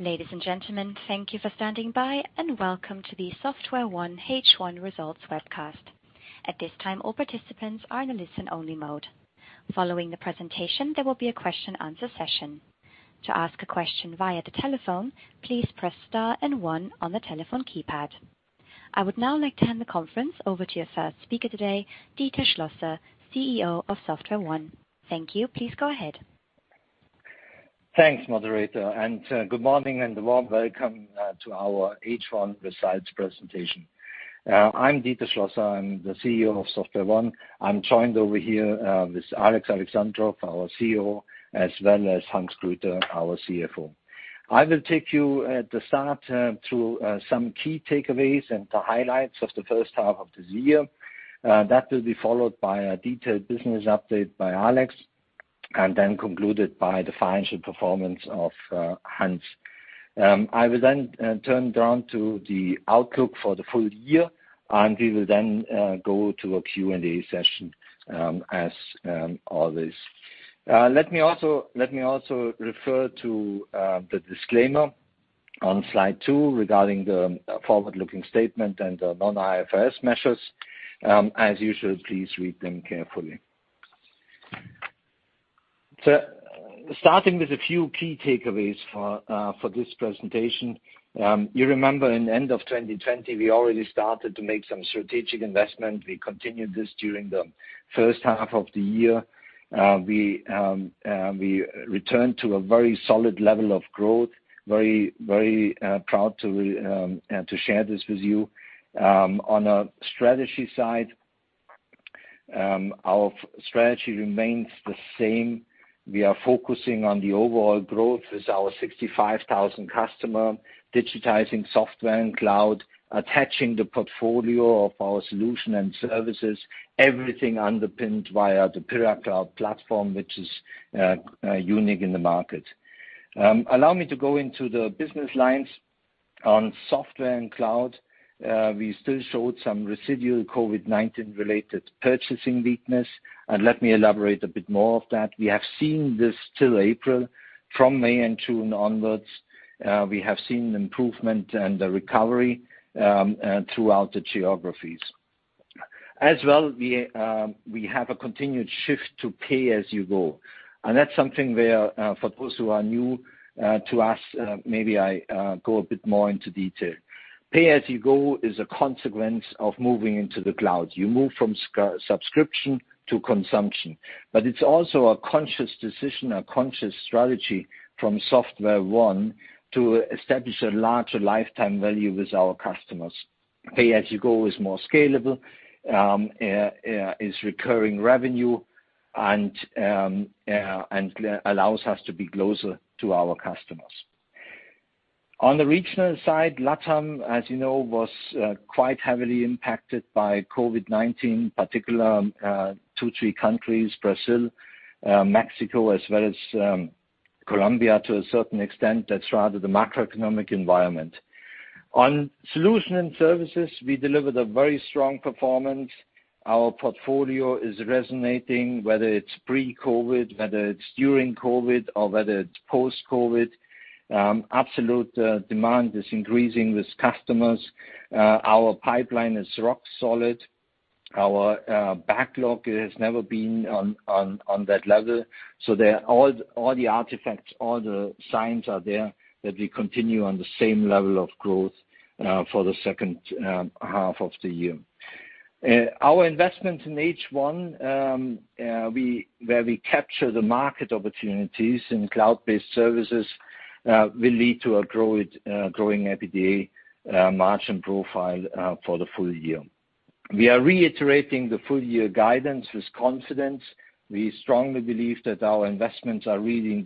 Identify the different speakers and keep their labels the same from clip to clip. Speaker 1: Ladies and gentlemen, thank you for standing by, welcome to the SoftwareONE H1 Results webcast. At this time, all participants are in a listen-only mode. Following the presentation, there will be a question-and-answer session. To ask a question via the telephone, please press star and one on the telephone keypad. I would now like to hand the conference over to your first speaker today, Dieter Schlosser, CEO of SoftwareONE. Thank you. Please go ahead.
Speaker 2: Thanks, moderator. Good morning, and a warm welcome to our H1 results presentation. I'm Dieter Schlosser. I'm the CEO of SoftwareONE. I'm joined over here with Alex Alexandrov, our COO, as well as Hans Grüter, our CFO. I will take you at the start through some key takeaways and the highlights of the first half of this year. That will be followed by a detailed business update by Alex, then concluded by the financial performance of Hans. I will then turn down to the outlook for the full year, we will then go to a Q&A session as always. Let me also refer to the disclaimer on slide two regarding the forward-looking statement and the non-IFRS measures. As usual, please read them carefully. Starting with a few key takeaways for this presentation. You remember in the end of 2020, we already started to make some strategic investment. We continued this during the first half of the year. We returned to a very solid level of growth. Very proud to share this with you. On a strategy side, our strategy remains the same. We are focusing on the overall growth with our 65,000 customer, digitizing Software & Cloud, attaching the portfolio of our Solution & Services, everything underpinned via the PyraCloud platform, which is unique in the market. Allow me to go into the business lines. On Software & Cloud, we still showed some residual COVID-19 related purchasing weakness. Let me elaborate a bit more of that. We have seen this till April. From May and June onwards, we have seen improvement and the recovery throughout the geographies. As well, we have a continued shift to pay-as-you-go. That's something where for those who are new to us, maybe I go a bit more into detail. Pay-as-you-go is a consequence of moving into the cloud. You move from subscription to consumption. It's also a conscious decision, a conscious strategy from SoftwareONE to establish a larger lifetime value with our customers. Pay-as-you-go is more scalable, is recurring revenue, and allows us to be closer to our customers. On the regional side, LATAM, as you know, was quite heavily impacted by COVID-19, particular two, three countries, Brazil, Mexico as well as Colombia to a certain extent. That's rather the macroeconomic environment. On Solution & Services, we delivered a very strong performance. Our portfolio is resonating, whether it's pre-COVID, whether it's during COVID or whether it's post-COVID. Absolute demand is increasing with customers. Our pipeline is rock solid. Our backlog has never been on that level. All the artifacts, all the signs are there that we continue on the same level of growth for the second half of the year. Our investment in H1 where we capture the market opportunities in cloud-based services will lead to a growing EBITDA margin profile for the full year. We are reiterating the full-year guidance with confidence. We strongly believe that our investments are yielding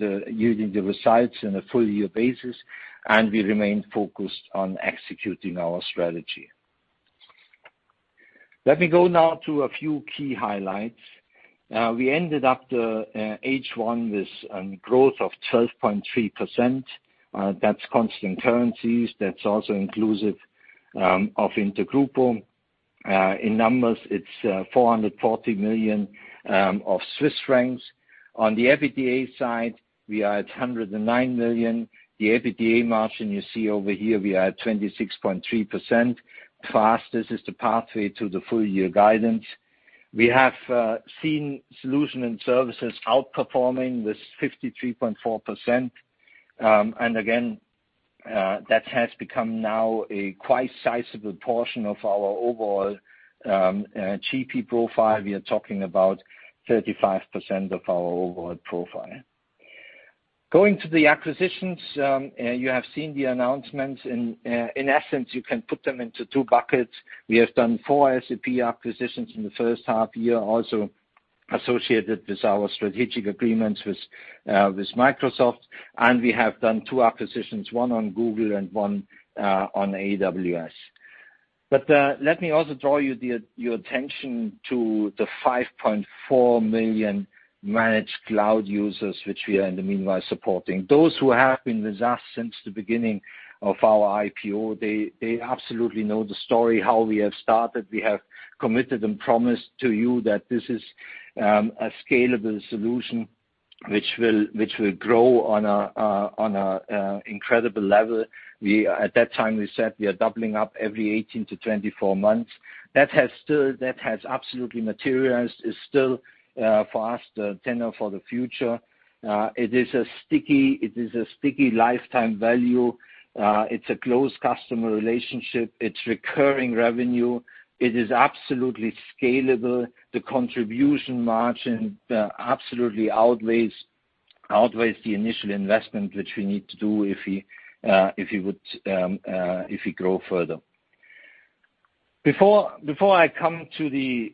Speaker 2: the results in a full-year basis, and we remain focused on executing our strategy. Let me go now to a few key highlights. We ended up the H1 with growth of 12.3%. That's constant currencies. That's also inclusive of InterGrupo. In numbers, it's 440 million. On the EBITDA side, we are at 109 million. The EBITDA margin you see over here, we are at 26.3%. Fast. This is the pathway to the full-year guidance. We have seen Solution & Services outperforming with 53.4%. Again, that has become now a quite sizable portion of our overall GP profile. We are talking about 35% of our overall profile. Going to the acquisitions, you have seen the announcements. In essence, you can put them into two buckets. We have done four SAP acquisitions in the first half year, also associated with our strategic agreements with Microsoft, and we have done two acquisitions, one on Google and one on AWS. Let me also draw your attention to the 5.4 million managed cloud users, which we are in the meanwhile supporting. Those who have been with us since the beginning of our IPO, they absolutely know the story, how we have started. We have committed and promised to you that this is a scalable solution which will grow on an incredible level. At that time, we said we are doubling up every 18-24 months. That has absolutely materialized. It's still, for us, the tenor for the future. It is a sticky lifetime value. It's a close customer relationship. It's recurring revenue. It is absolutely scalable. The contribution margin absolutely outweighs the initial investment, which we need to do if we grow further. Before I come to the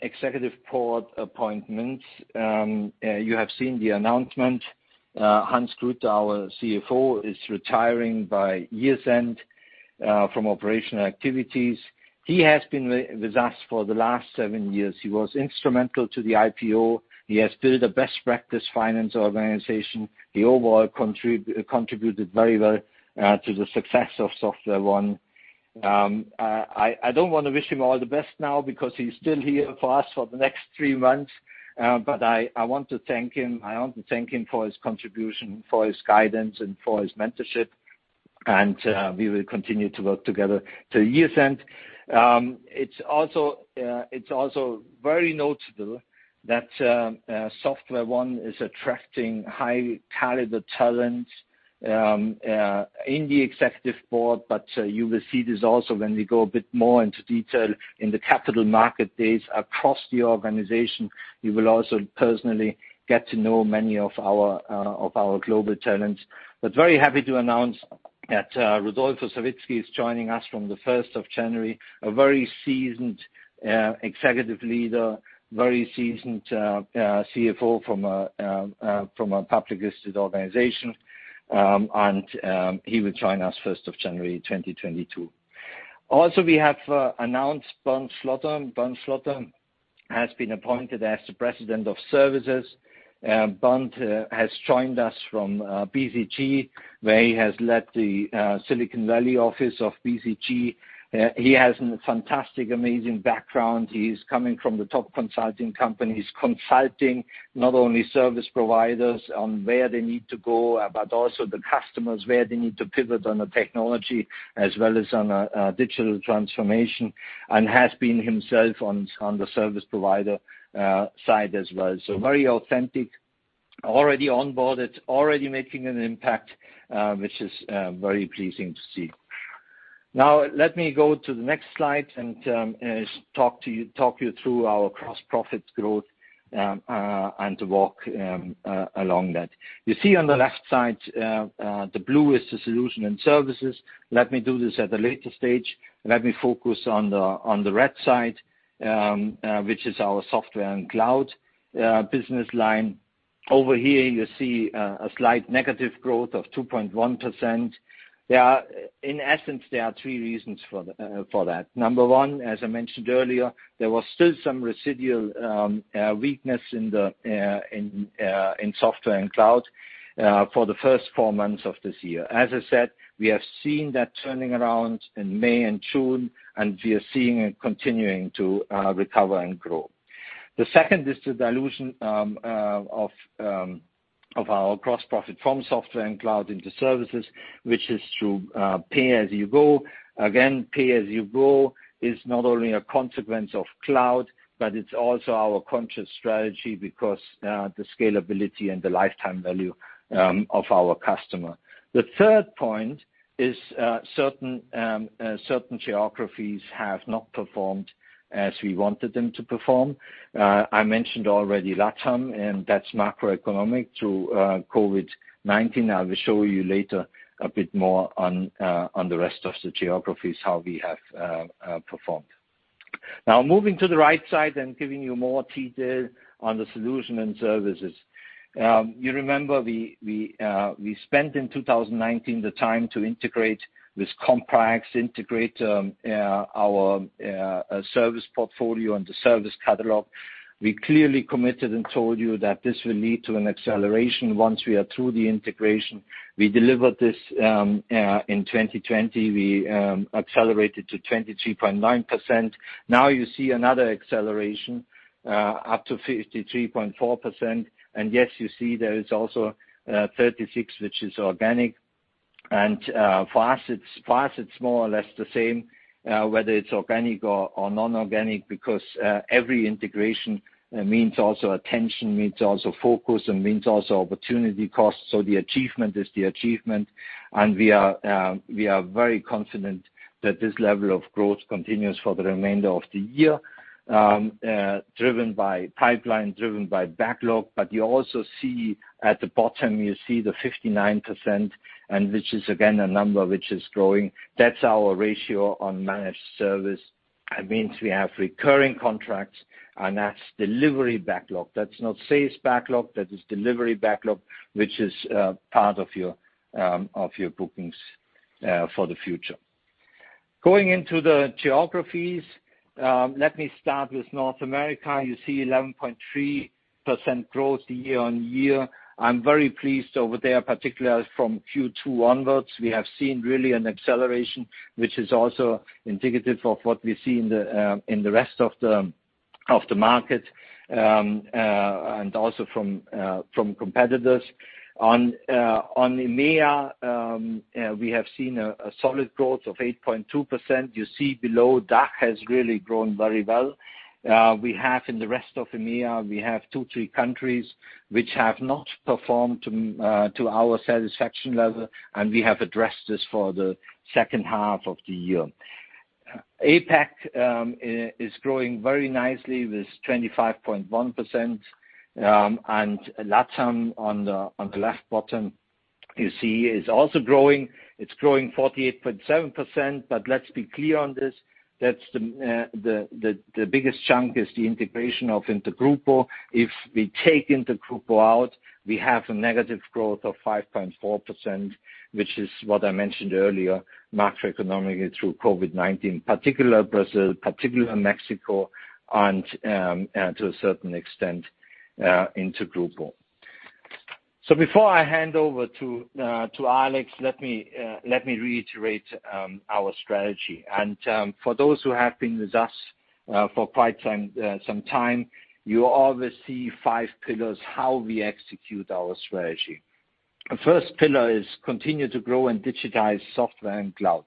Speaker 2: executive board appointments, you have seen the announcement. Hans Grüter, our CFO, is retiring by year's end from operational activities. He has been with us for the last seven years. He was instrumental to the IPO. He has built a best practice finance organization. He overall contributed very well to the success of SoftwareONE. I don't want to wish him all the best now because he's still here for us for the next three months. I want to thank him for his contribution, for his guidance, and for his mentorship, and we will continue to work together till year's end. It's also very notable that SoftwareONE is attracting high caliber talent in the executive board. You will see this also when we go a bit more into detail in the capital market days across the organization. You will also personally get to know many of our global talents. Very happy to announce that Rodolfo Savitzky is joining us from the 1st of January. A very seasoned executive leader, very seasoned CFO from a public listed organization, and he will join us 1st of January 2022. Also, we have announced Bernd Schlotter. Bernd Schlotter has been appointed as the President of Services. Bernd has joined us from BCG, where he has led the Silicon Valley office of BCG. He has a fantastic, amazing background. He's coming from the top consulting companies, consulting not only service providers on where they need to go, but also the customers, where they need to pivot on the technology as well as on a digital transformation, and has been himself on the service provider side as well. Very authentic, already onboarded, already making an impact, which is very pleasing to see. Let me go to the next slide and talk you through our gross profit growth and to walk along that. You see on the left side, the blue is the Solution & Services. Let me do this at a later stage. Let me focus on the red side, which is our Software & Cloud business line. Over here, you see a slight negative growth of 2.1%. In essence, there are three reasons for that. Number one, as I mentioned earlier, there was still some residual weakness in Software & Cloud for the first four months of this year. As I said, we have seen that turning around in May and June, we are seeing it continuing to recover and grow. The second is the dilution of our gross profit from Software & Cloud into services, which is through pay-as-you-go. Again, pay-as-you-go is not only a consequence of cloud, it's also our conscious strategy because the scalability and the lifetime value of our customer. The third point is certain geographies have not performed as we wanted them to perform. I mentioned already LATAM, that's macroeconomic through COVID-19. I will show you later a bit more on the rest of the geographies, how we have performed. Moving to the right side and giving you more detail on the Solution & Services. You remember we spent in 2019 the time to integrate this complex, integrate our service portfolio and the service catalog. We clearly committed and told you that this will lead to an acceleration once we are through the integration. We delivered this in 2020. We accelerated to 23.9%. You see another acceleration up to 53.4%. Yes, you see there is also 36, which is organic. For us, it's more or less the same, whether it's organic or non-organic, because every integration means also attention, means also focus, and means also opportunity cost. The achievement is the achievement. We are very confident that this level of growth continues for the remainder of the year, driven by pipeline, driven by backlog. You also see at the bottom, you see the 59%, which is again, a number which is growing. That's our ratio on managed service. It means we have recurring contracts, and that's delivery backlog. That's not sales backlog, that is delivery backlog, which is part of your bookings for the future. Going into the geographies, let me start with North America. You see 11.3% growth year-on-year. I'm very pleased over there, particularly from Q2 onwards. We have seen really an acceleration, which is also indicative of what we see in the rest of the market, and also from competitors. On EMEA, we have seen a solid growth of 8.2%. You see below, DACH has really grown very well. In the rest of EMEA, we have two, three countries which have not performed to our satisfaction level, and we have addressed this for the second half of the year. APAC is growing very nicely with 25.1%, and LATAM on the left bottom you see is also growing. It's growing 48.7%. Let's be clear on this, the biggest chunk is the integration of InterGrupo. If we take InterGrupo out, we have a negative growth of 5.4%, which is what I mentioned earlier, macroeconomically through COVID-19, particular Brazil, particular Mexico, and to a certain extent, InterGrupo. Before I hand over to Alex, let me reiterate our strategy. For those who have been with us for quite some time, you always see five pillars, how we execute our strategy. The first pillar is continue to grow and digitize Software & Cloud.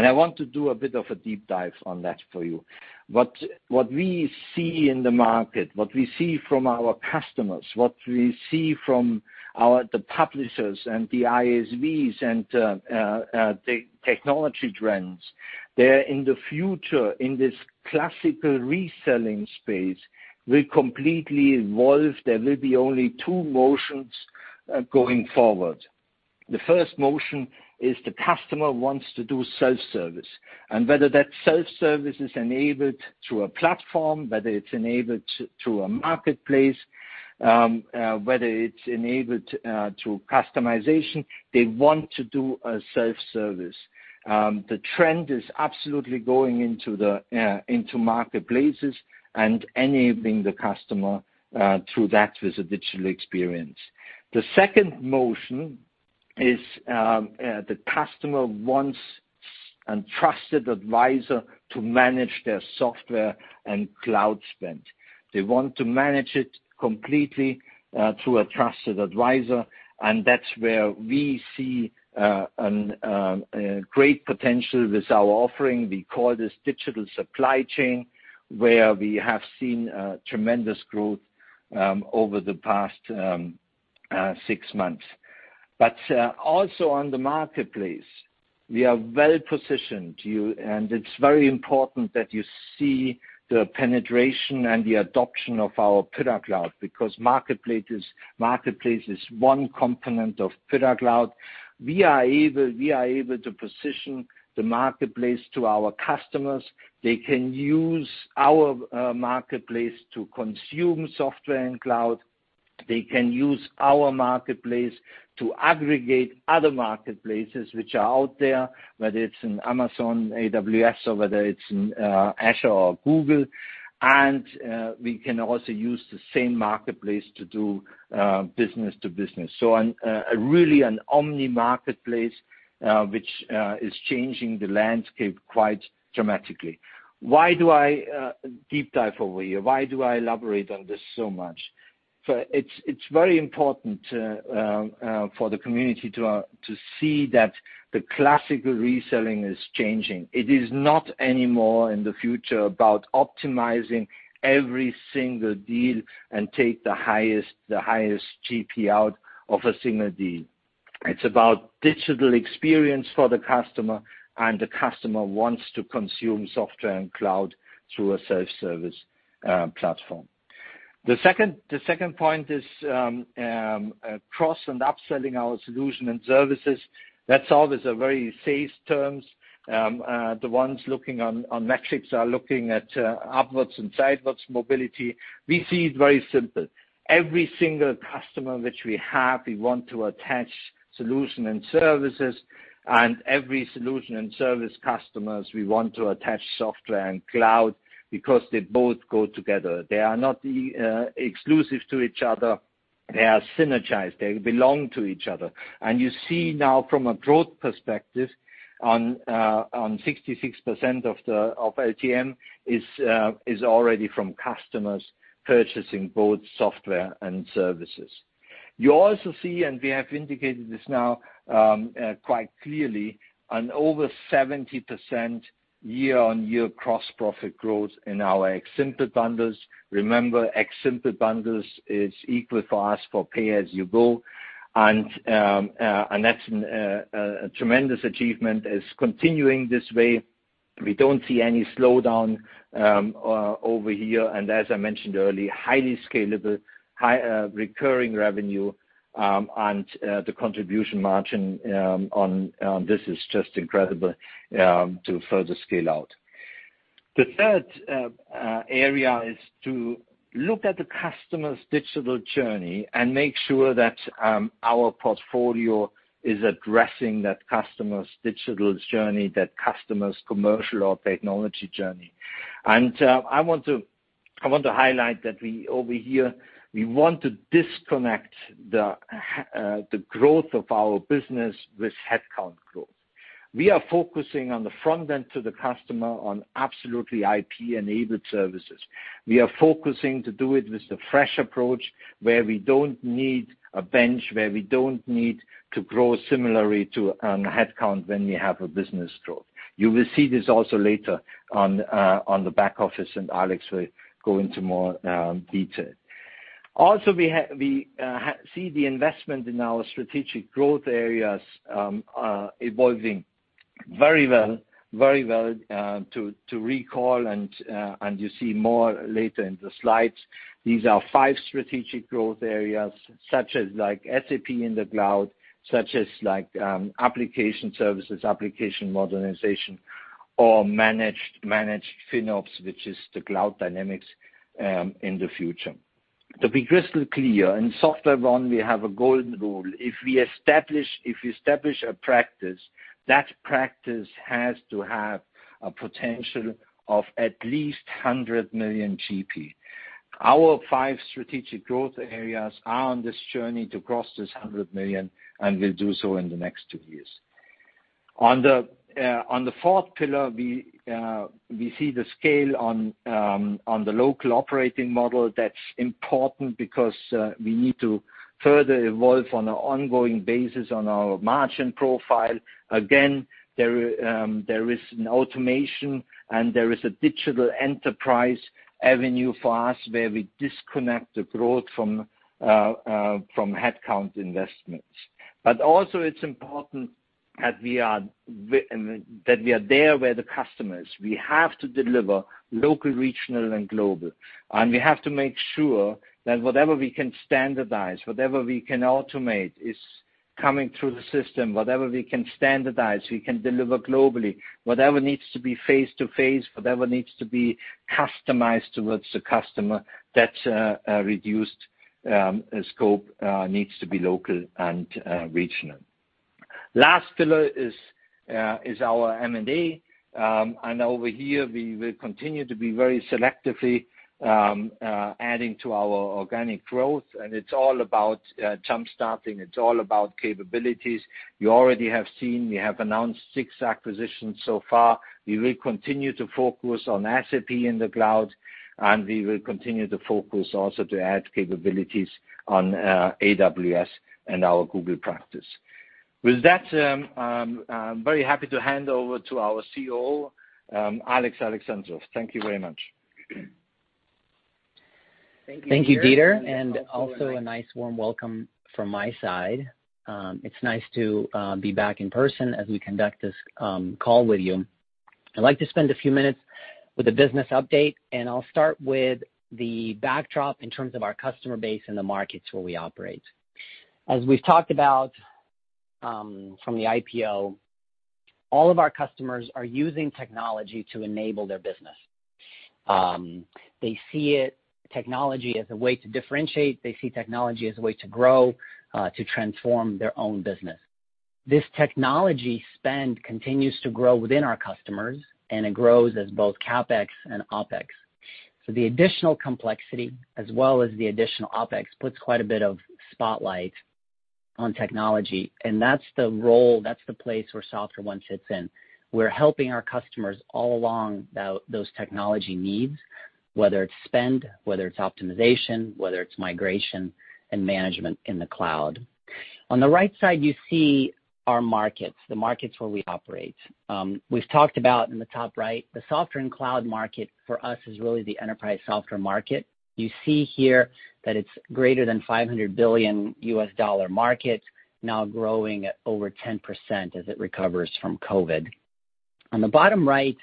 Speaker 2: I want to do a bit of a deep dive on that for you. What we see in the market, what we see from our customers, what we see from the publishers and the ISVs and the technology trends, there in the future, in this classical reselling space, will completely evolve. There will be only two motions going forward. The first motion is the customer wants to do self-service, and whether that self-service is enabled through a platform, whether it's enabled through a marketplace, whether it's enabled through customization, they want to do a self-service. The trend is absolutely going into marketplaces and enabling the customer through that with a digital experience. The second motion is the customer wants a trusted advisor to manage their Software & Cloud spend. They want to manage it completely through a trusted advisor, and that's where we see great potential with our offering. We call this digital supply chain, where we have seen tremendous growth over the past six months. Also on the marketplace, we are well-positioned. It's very important that you see the penetration and the adoption of our PyraCloud, because marketplace is one component of PyraCloud. We are able to position the marketplace to our customers. They can use our marketplace to consume Software & Cloud. They can use our marketplace to aggregate other marketplaces which are out there, whether it's in Amazon, AWS, or whether it's in Azure or Google. We can also use the same marketplace to do business to business. Really an omni marketplace, which is changing the landscape quite dramatically. Why do I deep dive over here? Why do I elaborate on this so much? It's very important for the community to see that the classical reselling is changing. It is not anymore in the future about optimizing every single deal and take the highest GP out of a single deal. It's about digital experience for the customer, and the customer wants to consume Software & Cloud through a self-service platform. The second point is cross and upselling our Solution & Services. That's always a very safe terms. The ones looking on metrics are looking at upwards and sidewards mobility. We see it very simple. Every single customer which we have, we want to attach Solution & Services, and every solution and service customers, we want to attach Software & Cloud because they both go together. They are not exclusive to each other. They are synergized. They belong to each other. You see now from a growth perspective on 66% of LTM is already from customers purchasing both software and services. You also see, we have indicated this now quite clearly, an over 70% year-on-year gross profit growth in our X Simple bundles. Remember, X Simple bundles is equal for us for pay-as-you-go. That's a tremendous achievement. It's continuing this way. We don't see any slowdown over here. As I mentioned earlier, highly scalable, recurring revenue, and the contribution margin on this is just incredible to further scale out. The third area is to look at the customer's digital journey and make sure that our portfolio is addressing that customer's digital journey, that customer's commercial or technology journey. I want to highlight that over here, we want to disconnect the growth of our business with headcount growth. We are focusing on the front end to the customer on absolutely IP-enabled services. We are focusing to do it with a fresh approach where we don't need a bench, where we don't need to grow similarly to headcount when we have a business growth. You will see this also later on the back office, and Alex will go into more detail. We see the investment in our strategic growth areas are evolving very well to recall, and you see more later in the slides. These are five strategic growth areas such as SAP in the cloud, such as application services, application modernization, or managed FinOps, which is the cloud dynamics in the future. To be crystal clear, in SoftwareONE, we have a golden rule. If we establish a practice, that practice has to have a potential of at least 100 million GP. Our five strategic growth areas are on this journey to cross this 100 million, and will do so in the next two years. On the fourth pillar, we see the scale on the local operating model. That's important because we need to further evolve on an ongoing basis on our margin profile. There is an automation, and there is a digital enterprise avenue for us where we disconnect the growth from headcount investments. Also it's important that we are there where the customer is. We have to deliver local, regional, and global, and we have to make sure that whatever we can standardize, whatever we can automate is coming through the system. Whatever we can standardize, we can deliver globally. Whatever needs to be face-to-face, whatever needs to be customized towards the customer, that reduced scope needs to be local and regional. Last pillar is our M&A. Over here, we will continue to be very selectively adding to our organic growth, and it's all about jump-starting. It's all about capabilities. You already have seen, we have announced six acquisitions so far. We will continue to focus on SAP in the cloud, and we will continue to focus also to add capabilities on AWS and our Google practice. With that, I'm very happy to hand over to our COO, Alex Alexandrov. Thank you very much.
Speaker 3: Thank you, Dieter. Also a nice warm welcome from my side. It's nice to be back in person as we conduct this call with you. I'd like to spend a few minutes with a business update, and I'll start with the backdrop in terms of our customer base and the markets where we operate. As we've talked about from the IPO, all of our customers are using technology to enable their business. They see technology as a way to differentiate. They see technology as a way to grow, to transform their own business. This technology spend continues to grow within our customers, and it grows as both CapEx and OpEx. The additional complexity, as well as the additional OpEx, puts quite a bit of spotlight on technology, and that's the role, that's the place where SoftwareONE sits in. We're helping our customers all along those technology needs, whether it's spend, whether it's optimization, whether it's migration and management in the cloud. On the right side, you see our markets, the markets where we operate. We've talked about in the top right, the Software & Cloud market for us is really the enterprise software market. You see here that it's greater than $500 billion market, now growing at over 10% as it recovers from COVID-19. On the bottom right,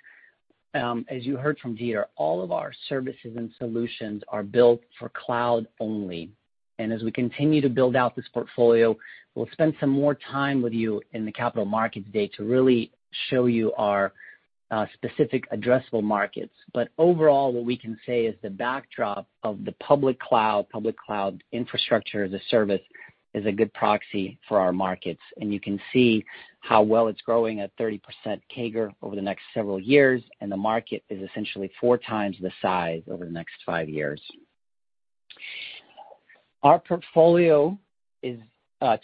Speaker 3: as you heard from Dieter, all of our services and solutions are built for cloud only. As we continue to build out this portfolio, we'll spend some more time with you in the capital markets day to really show you our specific addressable markets. Overall, what we can say is the backdrop of the public cloud infrastructure as a service is a good proxy for our markets, and you can see how well it's growing at 30% CAGR over the next several years, and the market is essentially 4x the size over the next five years. Our portfolio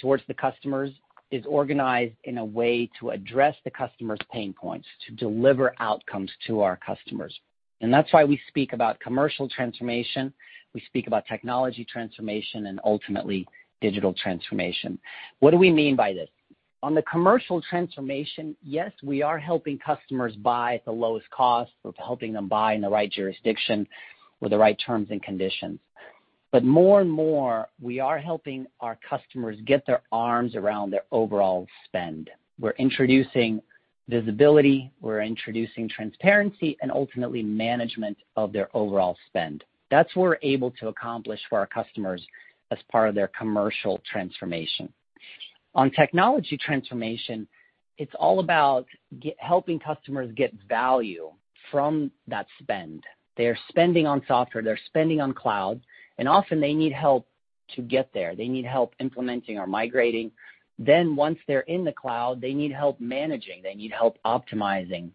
Speaker 3: towards the customers is organized in a way to address the customer's pain points, to deliver outcomes to our customers. That's why we speak about commercial transformation. We speak about technology transformation and ultimately digital transformation. What do we mean by this? On the commercial transformation, yes, we are helping customers buy at the lowest cost. We're helping them buy in the right jurisdiction with the right terms and conditions. More and more, we are helping our customers get their arms around their overall spend. We're introducing visibility, we're introducing transparency, and ultimately management of their overall spend. That's what we're able to accomplish for our customers as part of their commercial transformation. Technology transformation, it's all about helping customers get value from that spend. They are spending on software, they're spending on cloud, often they need help to get there. They need help implementing or migrating. Once they're in the cloud, they need help managing. They need help optimizing.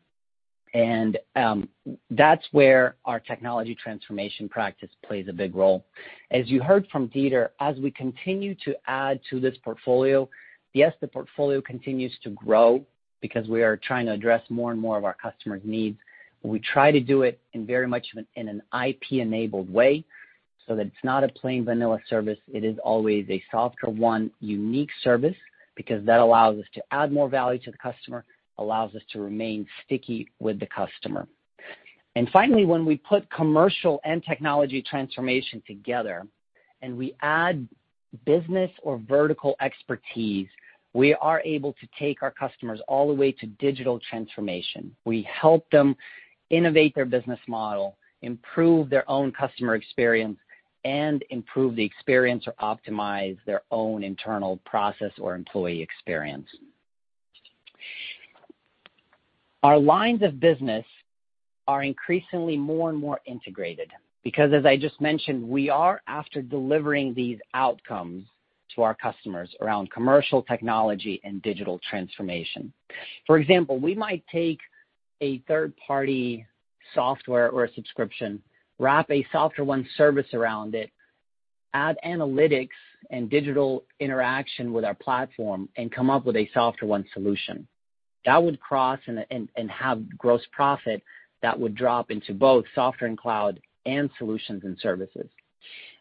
Speaker 3: That's where our technology transformation practice plays a big role. As you heard from Dieter, as we continue to add to this portfolio, yes, the portfolio continues to grow because we are trying to address more and more of our customers' needs. We try to do it in very much in an IP-enabled way so that it's not a plain vanilla service. It is always a SoftwareONE unique service because that allows us to add more value to the customer, allows us to remain sticky with the customer. Finally, when we put commercial and technology transformation together and we add business or vertical expertise, we are able to take our customers all the way to digital transformation. We help them innovate their business model, improve their own customer experience, and improve the experience or optimize their own internal process or employee experience. Our lines of business are increasingly more and more integrated because, as I just mentioned, we are after delivering these outcomes to our customers around commercial technology and digital transformation. For example, we might take a third-party software or a subscription, wrap a SoftwareONE service around it, add analytics and digital interaction with our platform, and come up with a SoftwareONE solution. That would cross and have gross profit that would drop into both Software & Cloud and Solutions & Services.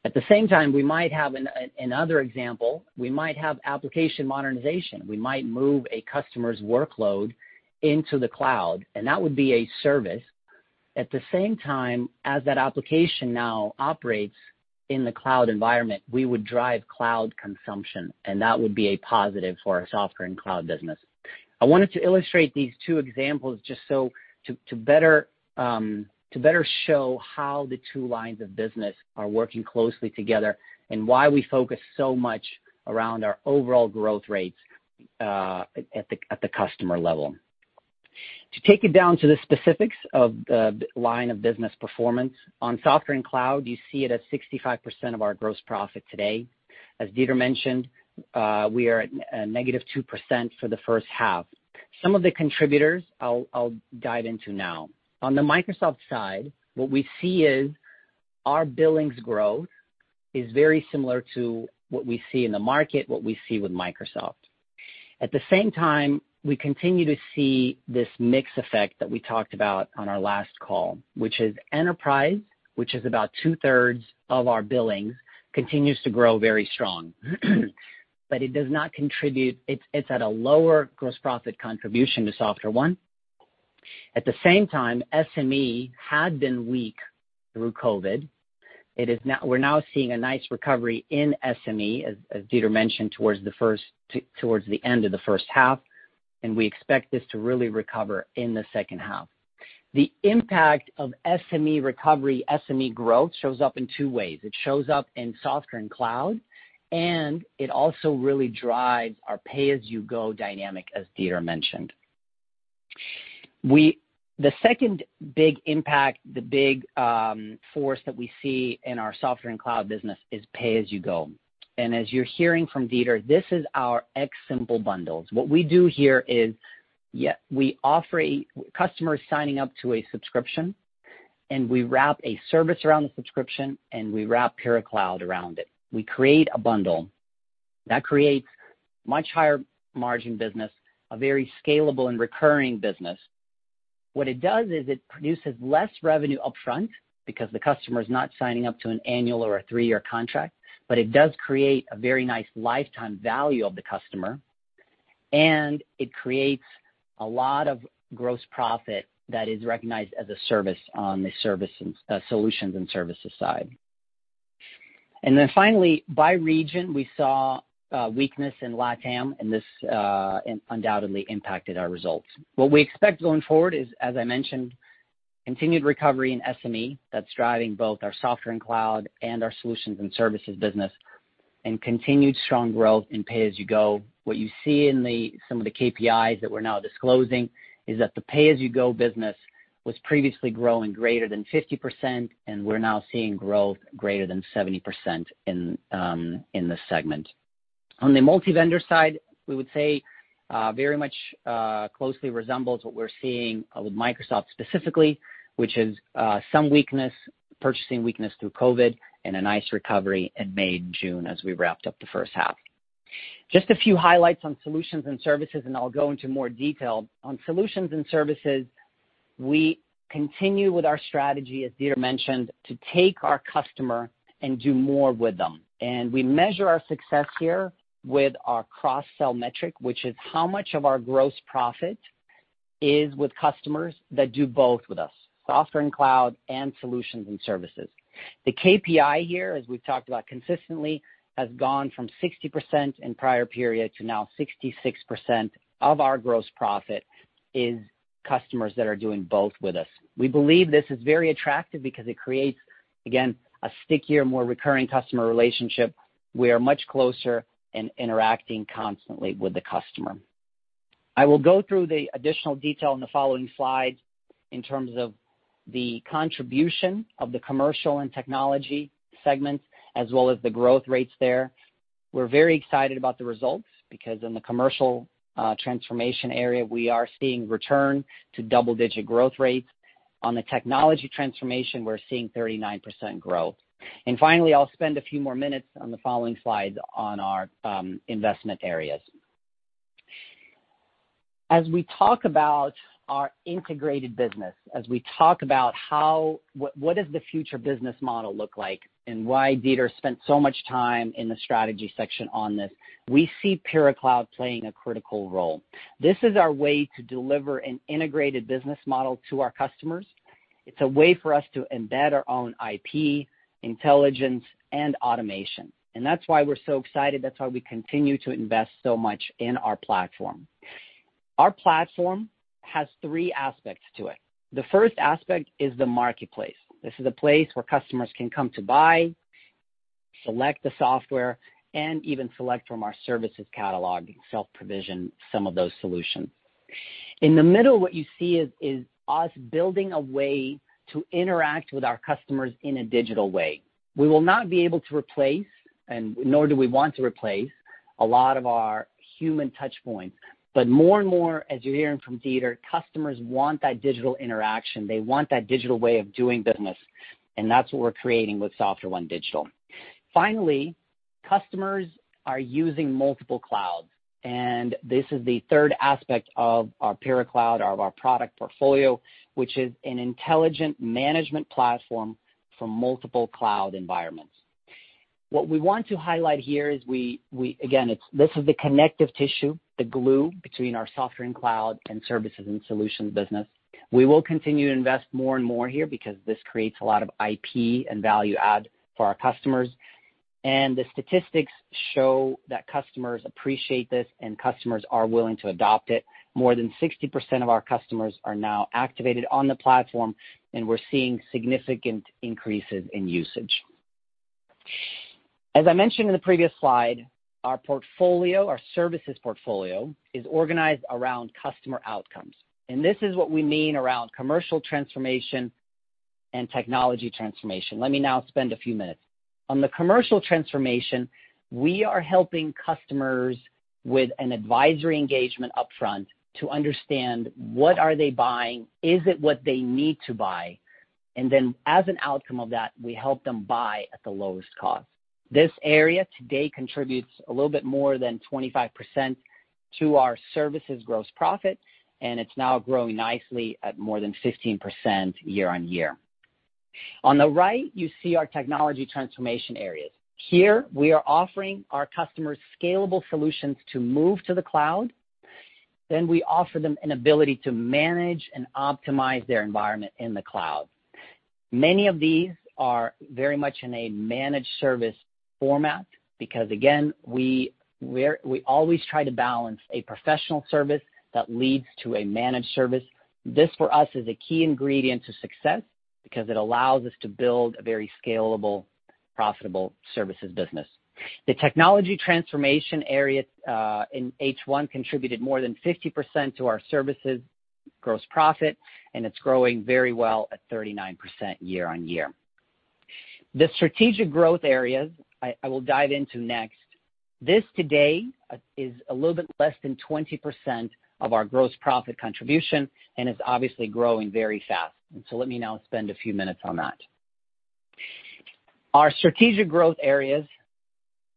Speaker 3: We might have another example. We might have application modernization. We might move a customer's workload into the cloud, and that would be a service. That application now operates in the cloud environment, we would drive cloud consumption, and that would be a positive for our Software & Cloud business. I wanted to illustrate these two examples just to better show how the two lines of business are working closely together and why we focus so much around our overall growth rates at the customer level. To take it down to the specifics of the line of business performance, on Software & Cloud, you see it at 65% of our gross profit today. As Dieter mentioned, we are at a -2% for the first half. Some of the contributors I'll guide into now. On the Microsoft side, what we see is our billings growth is very similar to what we see in the market, what we see with Microsoft. At the same time, we continue to see this mix effect that we talked about on our last call, which is enterprise, which is about 2/3 of our billings, continues to grow very strong. It's at a lower gross profit contribution to SoftwareONE. At the same time, SME had been weak through COVID. We're now seeing a nice recovery in SME, as Dieter mentioned, towards the end of the first half, and we expect this to really recover in the second half. The impact of SME recovery, SME growth shows up in two ways. It shows up in Software & Cloud, and it also really drives our pay-as-you-go dynamic, as Dieter mentioned. The second big impact, the big force that we see in our Software & Cloud business is pay-as-you-go. As you're hearing from Dieter, this is our X Simple bundles. What we do here is customers signing up to a subscription, and we wrap a service around the subscription, and we wrap PyraCloud around it. We create a bundle. That creates much higher margin business, a very scalable and recurring business. What it does is it produces less revenue upfront because the customer is not signing up to an annual or a three-year contract, but it does create a very nice lifetime value of the customer, and it creates a lot of gross profit that is recognized as a service on the Solutions & Services side. Finally, by region, we saw weakness in LATAM, and this undoubtedly impacted our results. What we expect going forward is, as I mentioned, continued recovery in SME that's driving both our Software & Cloud and our Solutions & Services business, and continued strong growth in pay-as-you-go. What you see in some of the KPIs that we're now disclosing is that the pay-as-you-go business was previously growing greater than 50%, and we're now seeing growth greater than 70% in this segment. On the multi-vendor side, we would say very much closely resembles what we're seeing with Microsoft specifically, which is some purchasing weakness through COVID and a nice recovery in May and June as we wrapped up the first half. Just a few highlights on Solutions & Services, I'll go into more detail. On Solutions & Services, we continue with our strategy, as Dieter mentioned, to take our customer and do more with them. We measure our success here with our cross-sell metric, which is how much of our gross profit is with customers that do both with us, Software & Cloud and Solutions & Services. The KPI here, as we've talked about consistently, has gone from 60% in prior period to now 66% of our gross profit is customers that are doing both with us. We believe this is very attractive because it creates, again, a stickier, more recurring customer relationship. We are much closer and interacting constantly with the customer. I will go through the additional detail on the following slide in terms of the contribution of the commercial and technology segments, as well as the growth rates there. We're very excited about the results because in the commercial transformation area, we are seeing return to double-digit growth rates. On the technology transformation, we're seeing 39% growth. Finally, I'll spend a few more minutes on the following slides on our investment areas. As we talk about our integrated business, as we talk about what does the future business model look like and why Dieter spent so much time in the strategy section on this, we see PyraCloud playing a critical role. This is our way to deliver an integrated business model to our customers. It's a way for us to embed our own IP, intelligence, and automation, and that's why we're so excited. That's why we continue to invest so much in our platform. Our platform has three aspects to it. The first aspect is the marketplace. This is a place where customers can come to buy, select the software, and even select from our services catalog and self-provision some of those solutions. In the middle, what you see is us building a way to interact with our customers in a digital way. We will not be able to replace, and nor do we want to replace, a lot of our human touch points, but more and more, as you're hearing from Dieter, customers want that digital interaction. They want that digital way of doing business, and that's what we're creating with SoftwareONE Digital. Finally, customers are using multiple clouds, and this is the third aspect of our PyraCloud, of our product portfolio, which is an intelligent management platform for multiple cloud environments. What we want to highlight here is, again, this is the connective tissue, the glue between our Software & Cloud and services and solutions business. We will continue to invest more and more here because this creates a lot of IP and value add for our customers. The statistics show that customers appreciate this and customers are willing to adopt it. More than 60% of our customers are now activated on the platform, and we're seeing significant increases in usage. As I mentioned in the previous slide, our services portfolio is organized around customer outcomes, and this is what we mean around commercial transformation and technology transformation. Let me now spend a few minutes. On the commercial transformation, we are helping customers with an advisory engagement upfront to understand what are they buying, is it what they need to buy, then as an outcome of that, we help them buy at the lowest cost. This area today contributes a little bit more than 25% to our services gross profit, it's now growing nicely at more than 15% year-on-year. On the right, you see our technology transformation areas. We are offering our customers scalable solutions to move to the cloud. We offer them an ability to manage and optimize their environment in the cloud. Many of these are very much in a managed service format because, again, we always try to balance a professional service that leads to a managed service. This, for us, is a key ingredient to success because it allows us to build a very scalable, profitable services business. The technology transformation area in H1 contributed more than 50% to our services gross profit, and it's growing very well at 39% year-on-year. The strategic growth areas I will dive into next. This today is a little bit less than 20% of our gross profit contribution and is obviously growing very fast. Let me now spend a few minutes on that. Our strategic growth areas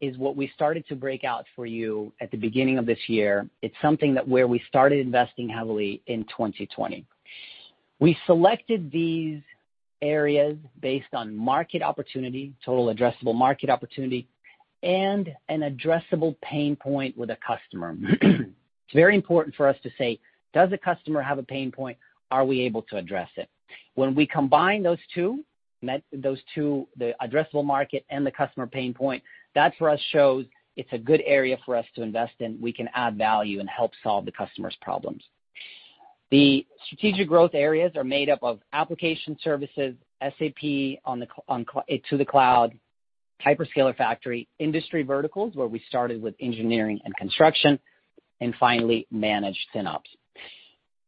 Speaker 3: is what we started to break out for you at the beginning of this year. It's something that where we started investing heavily in 2020. We selected these areas based on market opportunity, total addressable market opportunity, and an addressable pain point with a customer. It's very important for us to say, does a customer have a pain point? Are we able to address it? When we combine those two, the addressable market and the customer pain point, that for us shows it's a good area for us to invest in. We can add value and help solve the customer's problems. The strategic growth areas are made up of application services, SAP to the cloud, hyperscaler factory, industry verticals, where we started with engineering and construction, and finally, managed FinOps.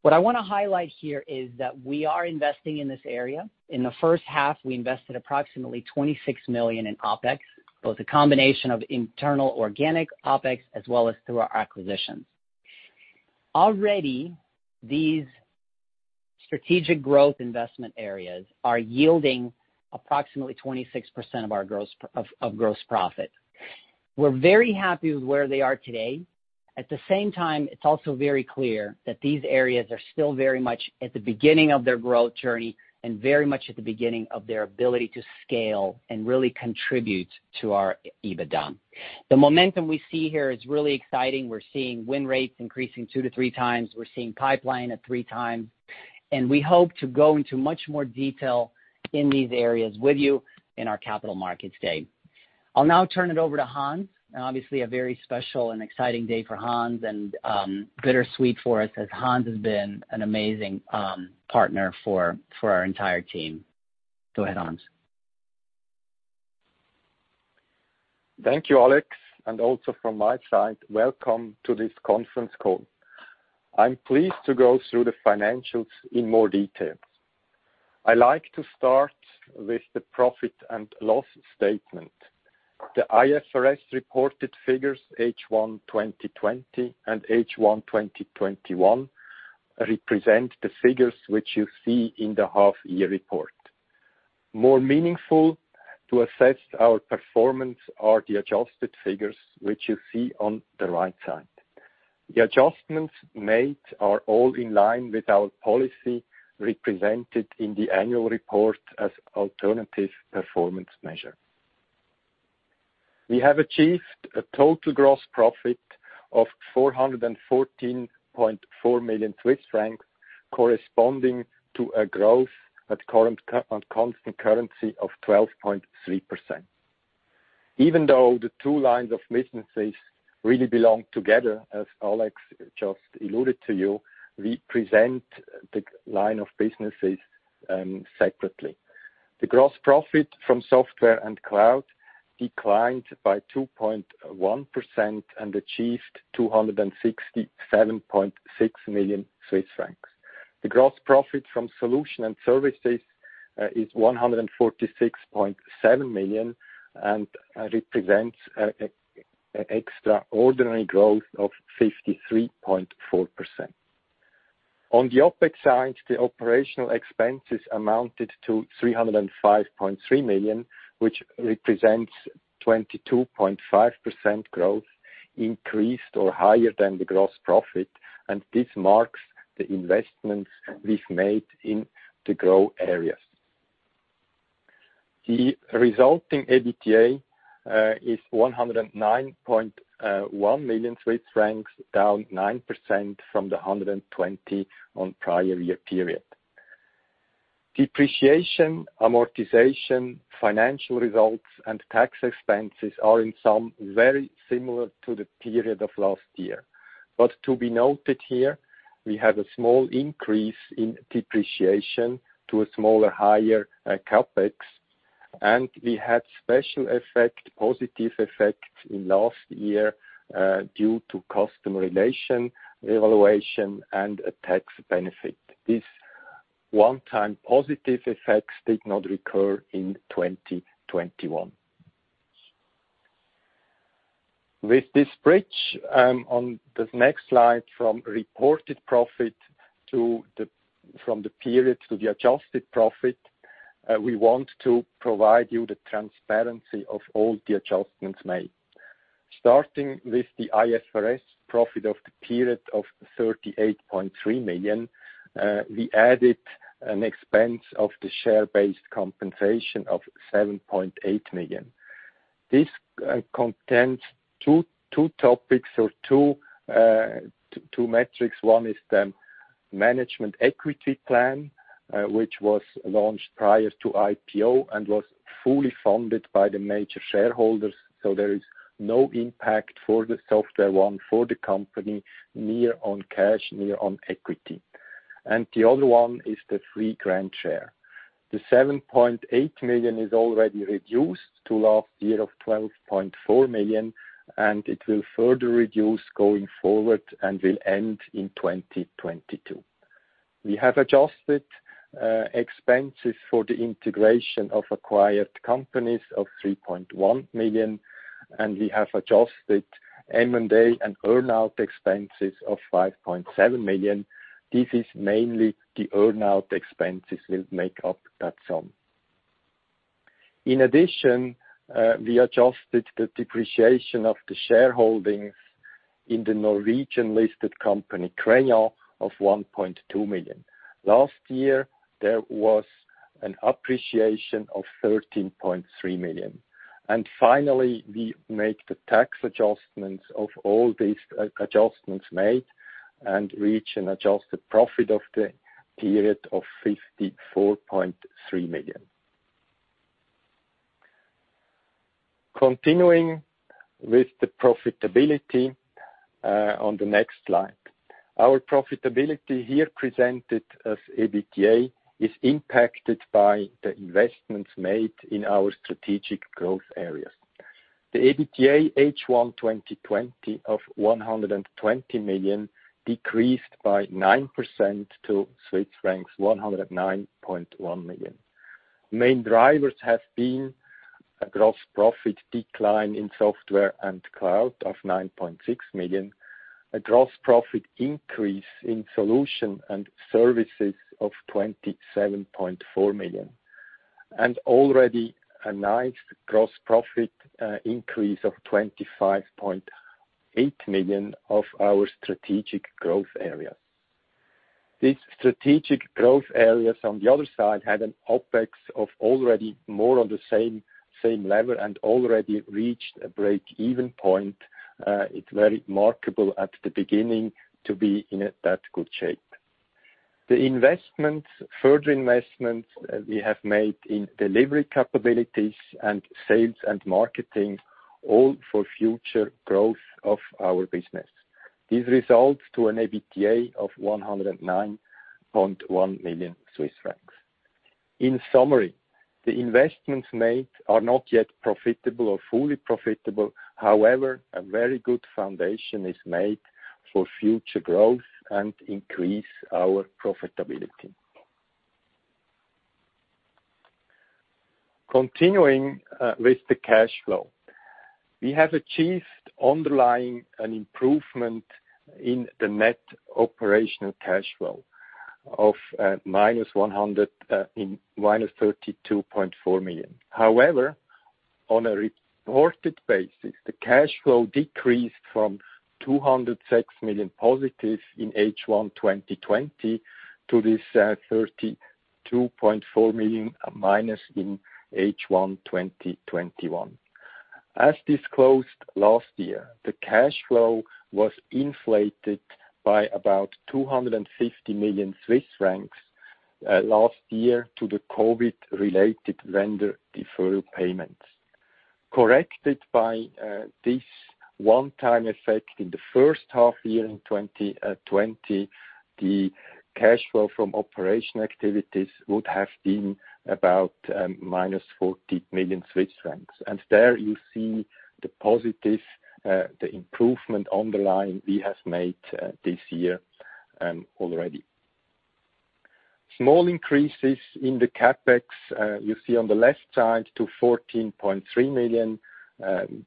Speaker 3: What I want to highlight here is that we are investing in this area. In the first half, we invested approximately 26 million in OpEx, both a combination of internal organic OpEx as well as through our acquisitions. Already, these strategic growth investment areas are yielding approximately 26% of gross profit. We're very happy with where they are today. At the same time, it's also very clear that these areas are still very much at the beginning of their growth journey and very much at the beginning of their ability to scale and really contribute to our EBITDA. The momentum we see here is really exciting. We're seeing win rates increasing 2x-3x. We're seeing pipeline at 3x. We hope to go into much more detail in these areas with you in our Capital Markets Day. I'll now turn it over to Hans, and obviously a very special and exciting day for Hans and bittersweet for us, as Hans has been an amazing partner for our entire team. Go ahead, Hans.
Speaker 4: Thank you, Alex. Also from my side, welcome to this conference call. I'm pleased to go through the financials in more detail. I like to start with the profit and loss statement. The IFRS reported figures H1 2020 and H1 2021 represent the figures which you see in the half year report. More meaningful to assess our performance are the adjusted figures which you see on the right side. The adjustments made are all in line with our policy represented in the annual report as alternative performance measure. We have achieved a total gross profit of 414.4 million Swiss francs, corresponding to a growth at constant currency of 12.3%. Even though the two lines of businesses really belong together, as Alex just alluded to you, we present the line of businesses separately. The gross profit from Software & Cloud declined by 2.1% and achieved 267.6 million Swiss francs. The gross profit from Solution & Services is 146.7 million and represents extraordinary growth of 53.4%. On the OpEx side, the operational expenses amounted to 305.3 million, which represents 22.5% growth increased or higher than the gross profit, this marks the investments we've made in the growth areas. The resulting EBITDA is 109.1 million Swiss francs, down 9% from the 120 million on prior year period. Depreciation, amortization, financial results, and tax expenses are in sum very similar to the period of last year. To be noted here, we have a small increase in depreciation to a smaller, higher CapEx, and we had special effect, positive effect in last year due to customer relation evaluation and a tax benefit. This one-time positive effects did not recur in 2021. With this bridge, on the next slide, from reported profit from the period to the adjusted profit, we want to provide you the transparency of all the adjustments made. Starting with the IFRS profit of the period of 38.3 million, we added an expense of the share-based compensation of 7.8 million. This contains two topics or 2 metrics. One is the management equity plan, which was launched prior to IPO and was fully funded by the major shareholders. There is no impact for the SoftwareONE, for the company, near on cash, near on equity. The other one is the free grant share. The 7.8 million is already reduced to last year of 12.4 million, and it will further reduce going forward and will end in 2022. We have adjusted expenses for the integration of acquired companies of 3.1 million, we have adjusted M&A and earn-out expenses of 5.7 million. This is mainly the earn-out expenses will make up that sum. In addition, we adjusted the depreciation of the shareholdings in the Norwegian-listed company, Crayon, of 1.2 million. Last year, there was an appreciation of 13.3 million. Finally, we make the tax adjustments of all these adjustments made and reach an adjusted profit of the period of 54.3 million. Continuing with the profitability on the next slide. Our profitability here presented as EBITDA is impacted by the investments made in our strategic growth areas. The EBITDA H1 2020 of 120 million decreased by 9% to Swiss francs 109.1 million. Main drivers have been a gross profit decline in Software & Cloud of 9.6 million, a gross profit increase in Solution & Services of 27.4 million, and already a nice gross profit increase of 25.8 million of our strategic growth areas. These strategic growth areas on the other side had an OpEx of already more on the same level and already reached a break-even point. It's very remarkable at the beginning to be in that good shape. The investment, further investment we have made in delivery capabilities and sales and marketing, all for future growth of our business, results to an EBITDA of 109.1 million Swiss francs. In summary, the investments made are not yet profitable or fully profitable. A very good foundation is made for future growth and increase our profitability. Continuing with the cash flow, we have achieved underlying an improvement in the net operational cash flow of -32.4 million. However, on a reported basis, the cash flow decreased from 206 million positive in H1 2020 to this -32.4 million in H1 2021. As disclosed last year, the cash flow was inflated by about 250 million Swiss francs last year to the COVID-19-related vendor deferral payments. Corrected by this one-time effect in the first half year in 2020, the cash flow from operation activities would have been about -40 million Swiss francs. There you see the positive, the improvement underlying we have made this year already. Small increases in the CapEx, you see on the left side to 14.3 million.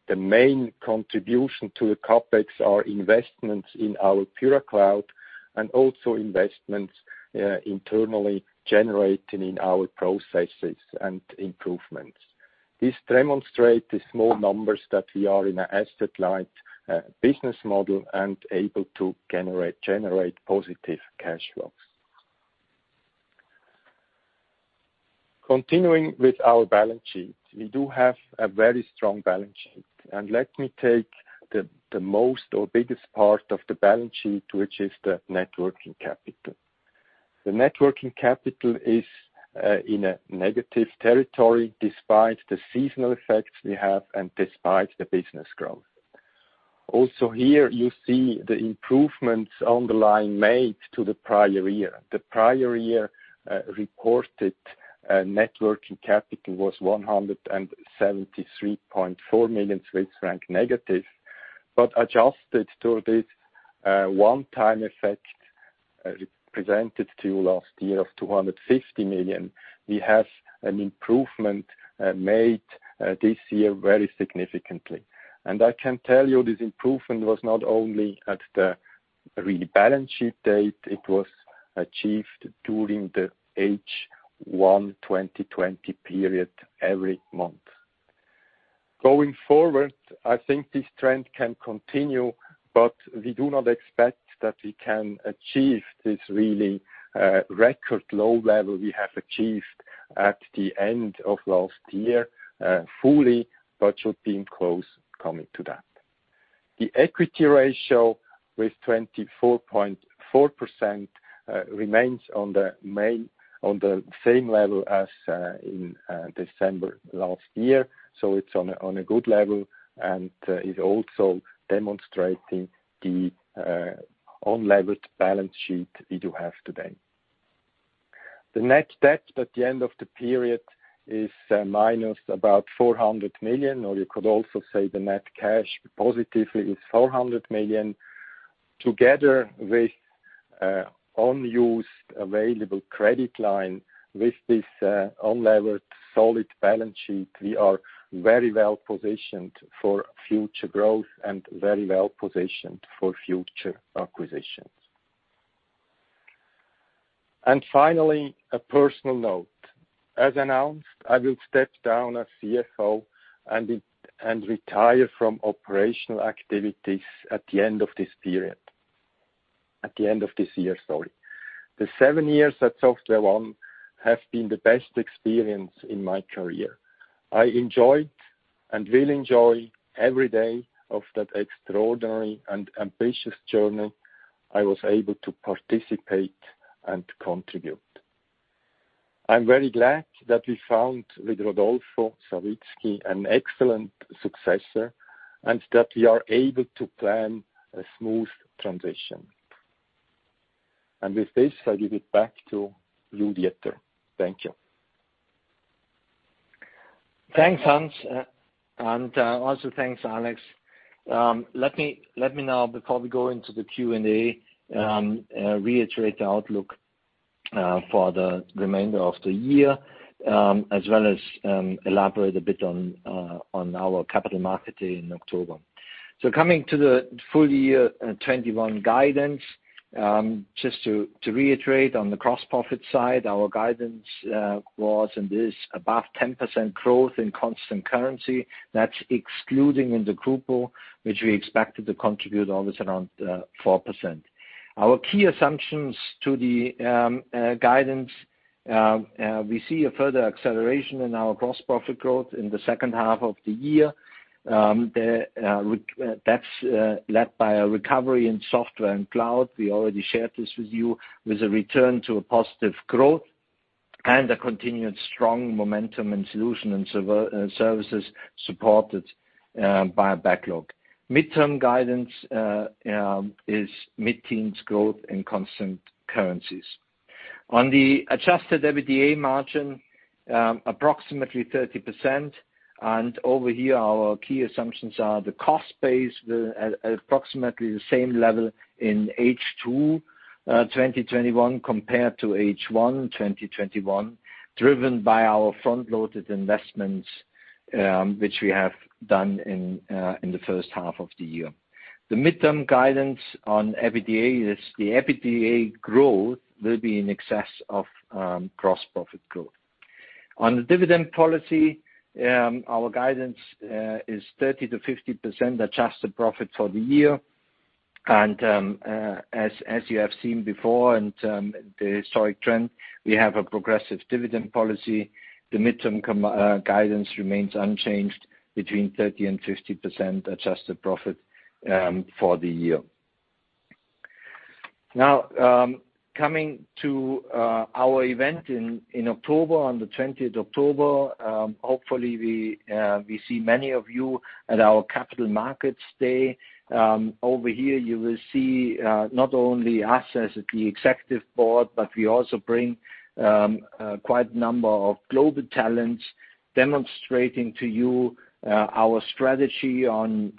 Speaker 4: The main contribution to the CapEx are investments in our PyraCloud and also investments internally generating in our processes and improvements. This demonstrate the small numbers that we are in an asset-light business model and able to generate positive cash flows. Continuing with our balance sheet. We do have a very strong balance sheet. Let me take the most or biggest part of the balance sheet, which is the net working capital. The net working capital is in a negative territory, despite the seasonal effects we have and despite the business growth. Also here you see the improvements underlying made to the prior year. The prior year reported net working capital was 173.4 million Swiss franc negative, but adjusted to this one-time effect presented to you last year of 250 million, we have an improvement made this year very significantly. I can tell you this improvement was not only at the rebalance sheet date, it was achieved during the H1 2020 period every month. Going forward, I think this trend can continue, but we do not expect that we can achieve this really record low level we have achieved at the end of last year fully, but should be close coming to that. The equity ratio with 24.4% remains on the same level as in December last year. It's on a good level and is also demonstrating the unlevered balance sheet we do have today. The net debt at the end of the period is minus about 400 million, or you could also say the net cash positive is 400 million. Together with unused available credit line with this unlevered solid balance sheet, we are very well positioned for future growth and very well positioned for future acquisitions. Finally, a personal note. As announced, I will step down as CFO and retire from operational activities at the end of this year. The seven years at SoftwareONE have been the best experience in my career. I enjoyed and will enjoy every day of that extraordinary and ambitious journey I was able to participate and contribute. I'm very glad that we found with Rodolfo Savitzky, an excellent successor, and that we are able to plan a smooth transition. With this, I give it back to you, Dieter. Thank you.
Speaker 2: Thanks, Hans. Also thanks, Alex. Let me now, before we go into the Q&A, reiterate the outlook for the remainder of the year, as well as elaborate a bit on our capital market day in October. Coming to the full year 2021 guidance, just to reiterate on the gross profit side, our guidance was and is above 10% growth in constant currency. That's excluding InterGrupo, which we expected to contribute always around 4%. Our key assumptions to the guidance, we see a further acceleration in our gross profit growth in the second half of the year. That's led by a recovery in Software & Cloud, we already shared this with you, with a return to a positive growth and a continued strong momentum in Solution & Services supported by a backlog. Midterm guidance is mid-teens growth in constant currencies. On the adjusted EBITDA margin, approximately 30%. Over here, our key assumptions are the cost base at approximately the same level in H2 2021 compared to H1 2021, driven by our front-loaded investments, which we have done in the first half of the year. The midterm guidance on EBITDA is the EBITDA growth will be in excess of gross profit growth. On the dividend policy, our guidance is 30%-50% adjusted profit for the year. As you have seen before in the historic trend, we have a progressive dividend policy. The midterm guidance remains unchanged between 30% and 50% adjusted profit for the year. Coming to our event in October, on the 20th October. Hopefully, we see many of you at our Capital Markets Day. Over here, you will see not only us as the executive board, but we also bring quite a number of global talents demonstrating to you our strategy on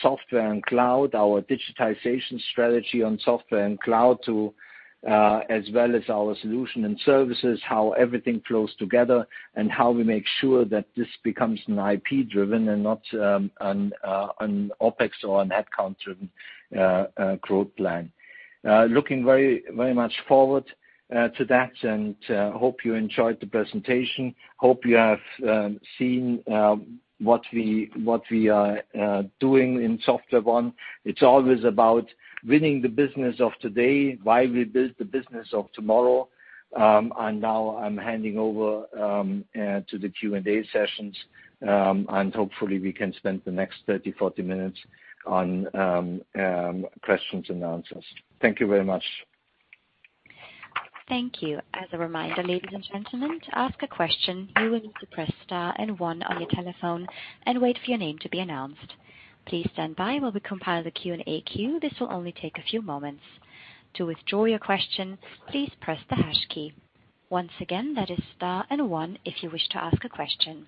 Speaker 2: Software & Cloud, our digitization strategy on Software & Cloud, as well as our Solution & Services, how everything flows together, and how we make sure that this becomes an IP-driven and not an OpEx or an head count-driven growth plan. Looking very much forward to that and hope you enjoyed the presentation. Hope you have seen what we are doing in SoftwareONE. It's always about winning the business of today while we build the business of tomorrow. Now I'm handing over to the Q&A sessions. Hopefully we can spend the next 30, 40 minutes on questions-and-answers. Thank you very much.
Speaker 1: Thank you. As a reminder, ladies and gentlemen, to ask a question, you will need to press star and one on your telephone and wait for your name to be announced. Please stand by while we compile the Q&A queue. This will only take a few moments. To withdraw your question, please press the hash key. Once again, that is star and one if you wish to ask a question.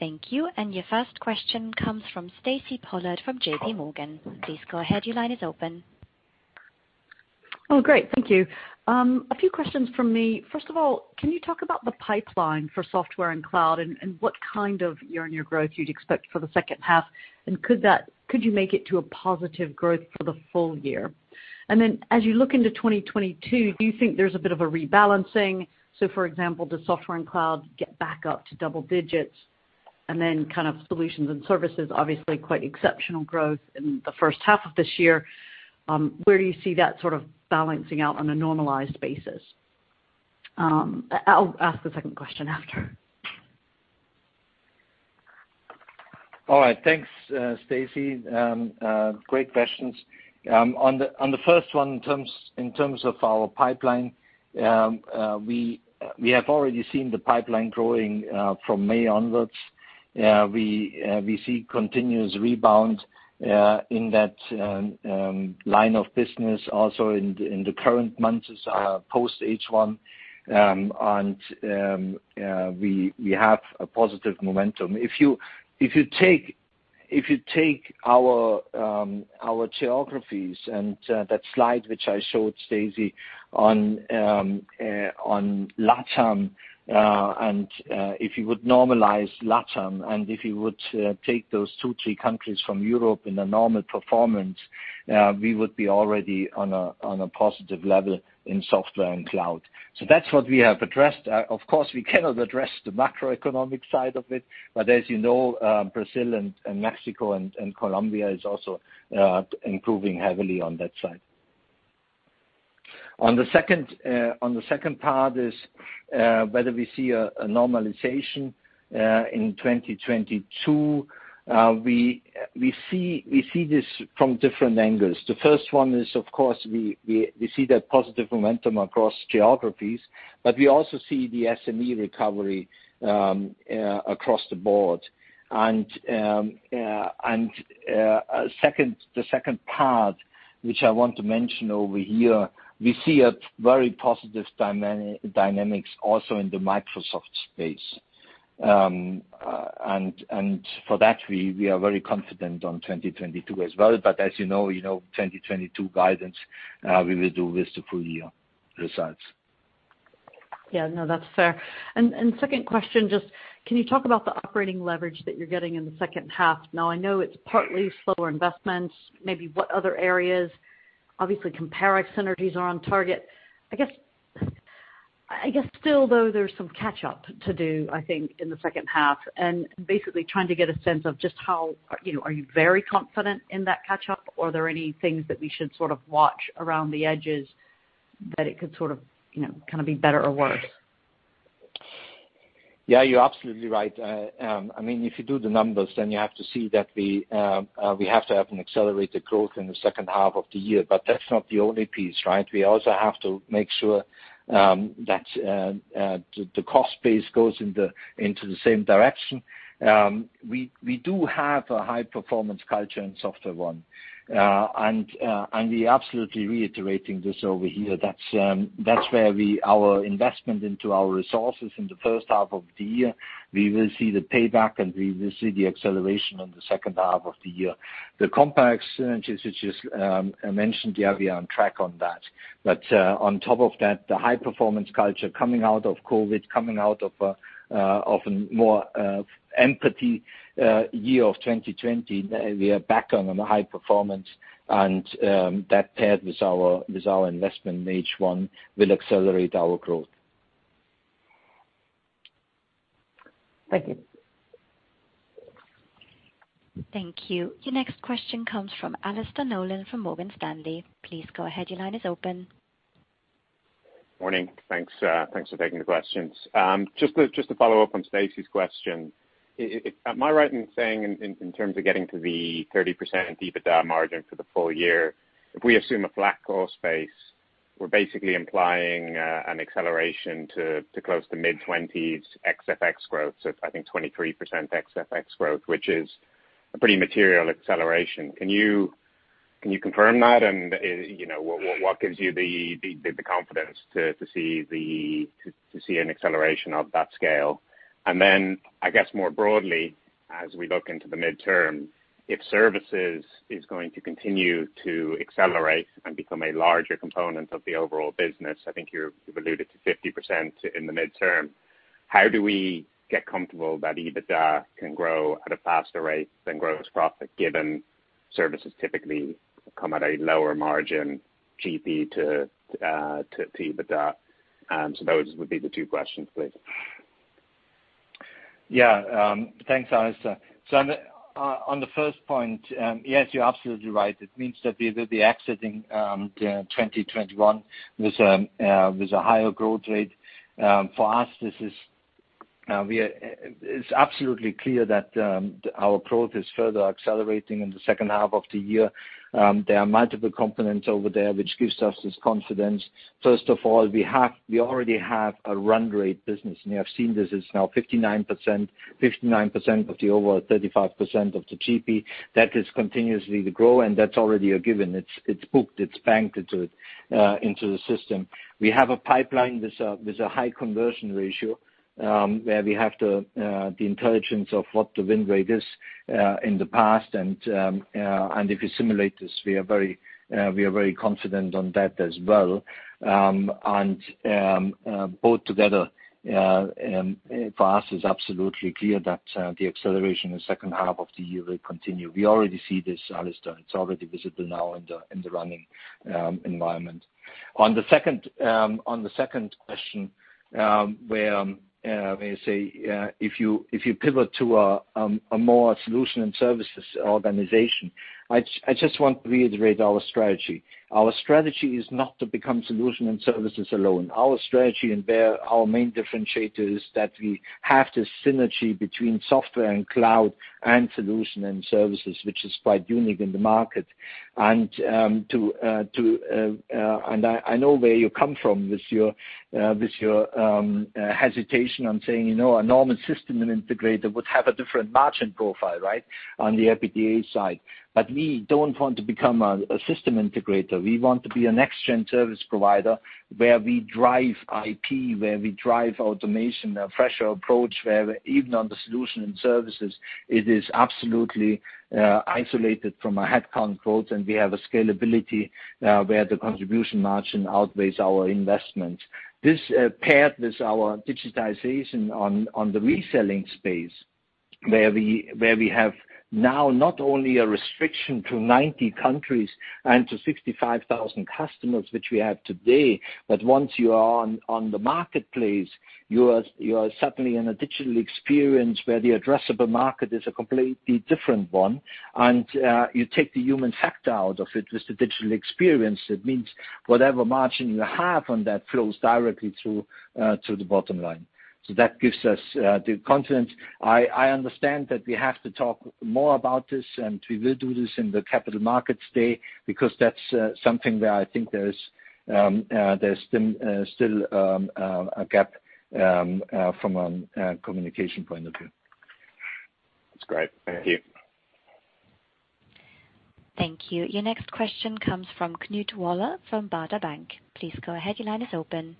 Speaker 1: Thank you. Your first question comes from Stacy Pollard from JPMorgan. Please go ahead. Your line is open.
Speaker 5: Oh, great. Thank you. A few questions from me. First of all, can you talk about the pipeline for Software & Cloud and what kind of year-on-year growth you'd expect for the second half? Could you make it to a positive growth for the full year? As you look into 2022, do you think there's a bit of a rebalancing? For example, does Software & Cloud get back up to double digits? Solutions & Services, obviously quite exceptional growth in the first half of this year. Where do you see that sort of balancing out on a normalized basis? I'll ask the second question after.
Speaker 2: All right. Thanks, Stacy. Great questions. On the first one, in terms of our pipeline, we have already seen the pipeline growing from May onwards. We see continuous rebound in that line of business also in the current months post H1. We have a positive momentum. If you take our geographies and that slide which I showed, Stacy, on LATAM, and if you would normalize LATAM, and if you would take those two, three countries from Europe in a normal performance, we would be already on a positive level in Software & Cloud. That's what we have addressed. Of course, we cannot address the macroeconomic side of it, but as you know Brazil and Mexico and Colombia is also improving heavily on that side. On the second part is whether we see a normalization in 2022. We see this from different angles. The first one is, of course, we see that positive momentum across geographies, but we also see the SME recovery across the board. The second part, which I want to mention over here, we see a very positive dynamics also in the Microsoft space. For that, we are very confident on 2022 as well, but as you know, 2022 guidance, we will do with the full year results.
Speaker 5: Yeah. No, that's fair. Second question, just can you talk about the operating leverage that you're getting in the second half? Now I know it's partly slower investments, maybe what other areas? Obviously Comparex synergies are on target. I guess still though there's some catch-up to do, I think, in the second half, and basically trying to get a sense of just how, are you very confident in that catch-up? Are there any things that we should sort of, kind of watch around the edges that it could sort of, kind of be better or worse?
Speaker 2: Yeah, you're absolutely right. If you do the numbers, then you have to see that we have to have an accelerated growth in the second half of the year, but that's not the only piece, right? We also have to make sure that the cost base goes into the same direction. We do have a high-performance culture in SoftwareONE. We absolutely reiterating this over here. That's where our investment into our resources in the first half of the year, we will see the payback, and we will see the acceleration in the second half of the year. The COMPAREX synergies, which is, I mentioned, yeah, we are on track on that. On top of that, the high-performance culture coming out of COVID, coming out of an more empathy year of 2020. We are back on a high performance and that paired with our investment in H1 will accelerate our growth.
Speaker 5: Thank you.
Speaker 1: Thank you. Your next question comes from Alastair Nolan, from Morgan Stanley. Please go ahead. Your line is open.
Speaker 6: Morning. Thanks for taking the questions. Just to follow up on Stacy's question. Am I right in saying in terms of getting to the 30% EBITDA margin for the full year, if we assume a flat cost base, we're basically implying an acceleration to close to mid-20s FX growth. I think 23% FX growth, which is a pretty material acceleration. Can you confirm that? What gives you the confidence to see an acceleration of that scale? I guess more broadly as we look into the midterm, if services is going to continue to accelerate and become a larger component of the overall business, I think you've alluded to 50% in the midterm. How do we get comfortable that EBITDA can grow at a faster rate than gross profit given services typically come at a lower margin GP to EBITDA? Those would be the two questions, please.
Speaker 2: Yeah. Thanks, Alastair. On the first point, yes, you're absolutely right. It means that we will be exiting 2021 with a higher growth rate. For us, it's absolutely clear that our growth is further accelerating in the second half of the year. There are multiple components over there, which gives us this confidence. First of all, we already have a run rate business, and you have seen this is now 59% of the over 35% of the GP. That is continuously to grow, and that's already a given. It's booked, it's banked into the system. We have a pipeline with a high conversion ratio, where we have the intelligence of what the win rate is in the past. If we simulate this, we are very confident on that as well. Both together for us is absolutely clear that the acceleration in the second half of the year will continue. We already see this, Alastair. It's already visible now in the running environment. On the second question, where you say if you pivot to a more Solution & Services organization, I just want to reiterate our strategy. Our strategy is not to become Solution & Services alone. Our strategy and where our main differentiator is that we have this synergy between Software & Cloud and Solution & Services, which is quite unique in the market. I know where you come from with your hesitation on saying, a normal system and integrator would have a different margin profile, right? On the EBITDA side. We don't want to become a system integrator. We want to be a next-gen service provider where we drive IP, where we drive automation, a fresher approach, where even on the Solution & Services, it is absolutely isolated from a head count growth, and we have a scalability, where the contribution margin outweighs our investments. This paired with our digitization on the reselling space, where we have now not only a restriction to 90 countries and to 65,000 customers, which we have today. Once you are on the marketplace, you are suddenly in a digital experience where the addressable market is a completely different one. You take the human factor out of it with the digital experience. It means whatever margin you have on that flows directly to the bottom line. That gives us the confidence. I understand that we have to talk more about this, and we will do this in the Capital Markets Day, because that's something where I think there's still a gap from a communication point of view.
Speaker 6: That's great. Thank you.
Speaker 1: Thank you. Your next question comes from Knut Woller, from Baader Bank. Please go ahead. Your line is open.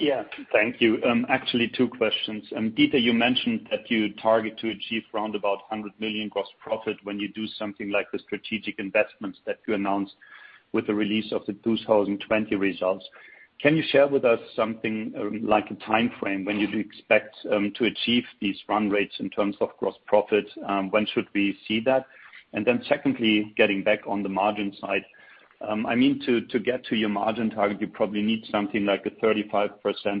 Speaker 7: Yeah. Thank you. Actually two questions. Dieter, you mentioned that you target to achieve around about 100 million gross profit when you do something like the strategic investments that you announced with the release of the 2020 results. Can you share with us something like a time frame when you expect to achieve these run rates in terms of gross profit? When should we see that? Secondly, getting back on the margin side. I mean, to get to your margin target, you probably need something like a 35%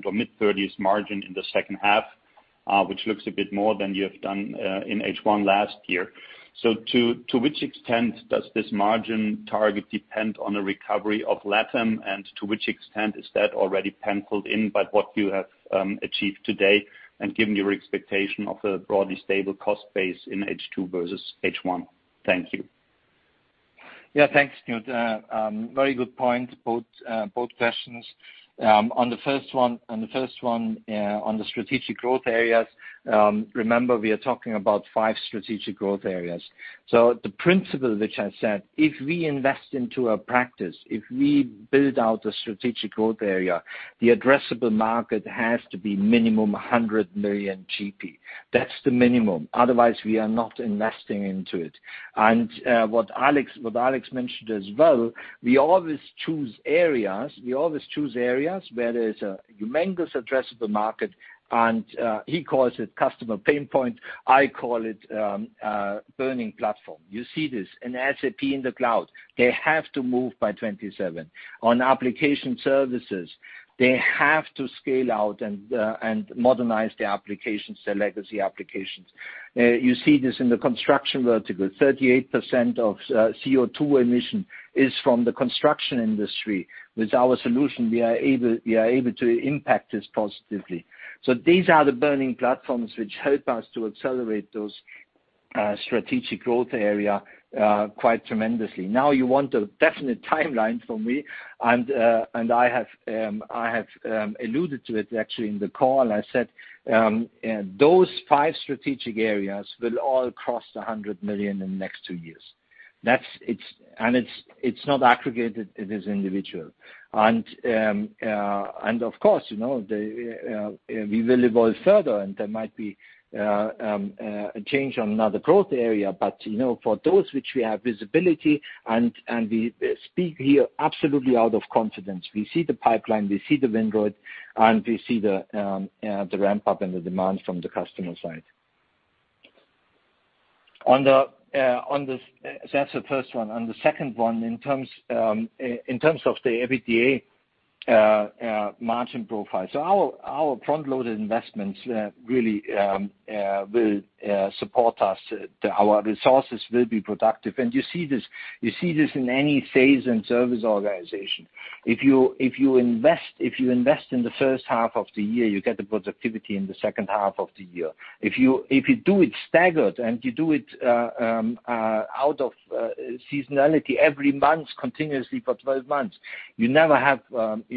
Speaker 7: or mid-30s margin in the second half, which looks a bit more than you have done in H1 last year. To which extent does this margin target depend on a recovery of LATAM, and to which extent is that already penciled in by what you have achieved today and given your expectation of a broadly stable cost base in H2 versus H1? Thank you.
Speaker 2: Yeah, thanks, Knut. Very good point, both questions. On the first one, on the strategic growth areas, remember we are talking about five strategic growth areas. The principle which I said, if we invest into a practice, if we build out a strategic growth area, the addressable market has to be minimum 100 million GP. That's the minimum. Otherwise, we are not investing into it. What Alex mentioned as well, we always choose areas where there's a humongous addressable market and, he calls it customer pain point, I call it burning platform. You see this in SAP in the cloud. They have to move by 2027. On application services, they have to scale out and modernize their applications, their legacy applications. You see this in the construction vertical. 38% of CO2 emission is from the construction industry. With our solution, we are able to impact this positively. These are the burning platforms which help us to accelerate those strategic growth area quite tremendously. You want a definite timeline from me, and I have alluded to it, actually, in the call. I said those five strategic areas will all cross the 100 million in the next two years. It's not aggregated, it is individual. Of course, we will evolve further, and there might be a change on another growth area. For those which we have visibility, and we speak here absolutely out of confidence. We see the pipeline, we see the win rate, and we see the ramp-up and the demand from the customer side. That's the first one. On the second one, in terms of the EBITDA margin profile. Our front-loaded investments really will support us. Our resources will be productive. You see this in any sales and service organization. If you invest in the first half of the year, you get the productivity in the second half of the year. If you do it staggered and you do it out of seasonality every month continuously for 12 months, you never have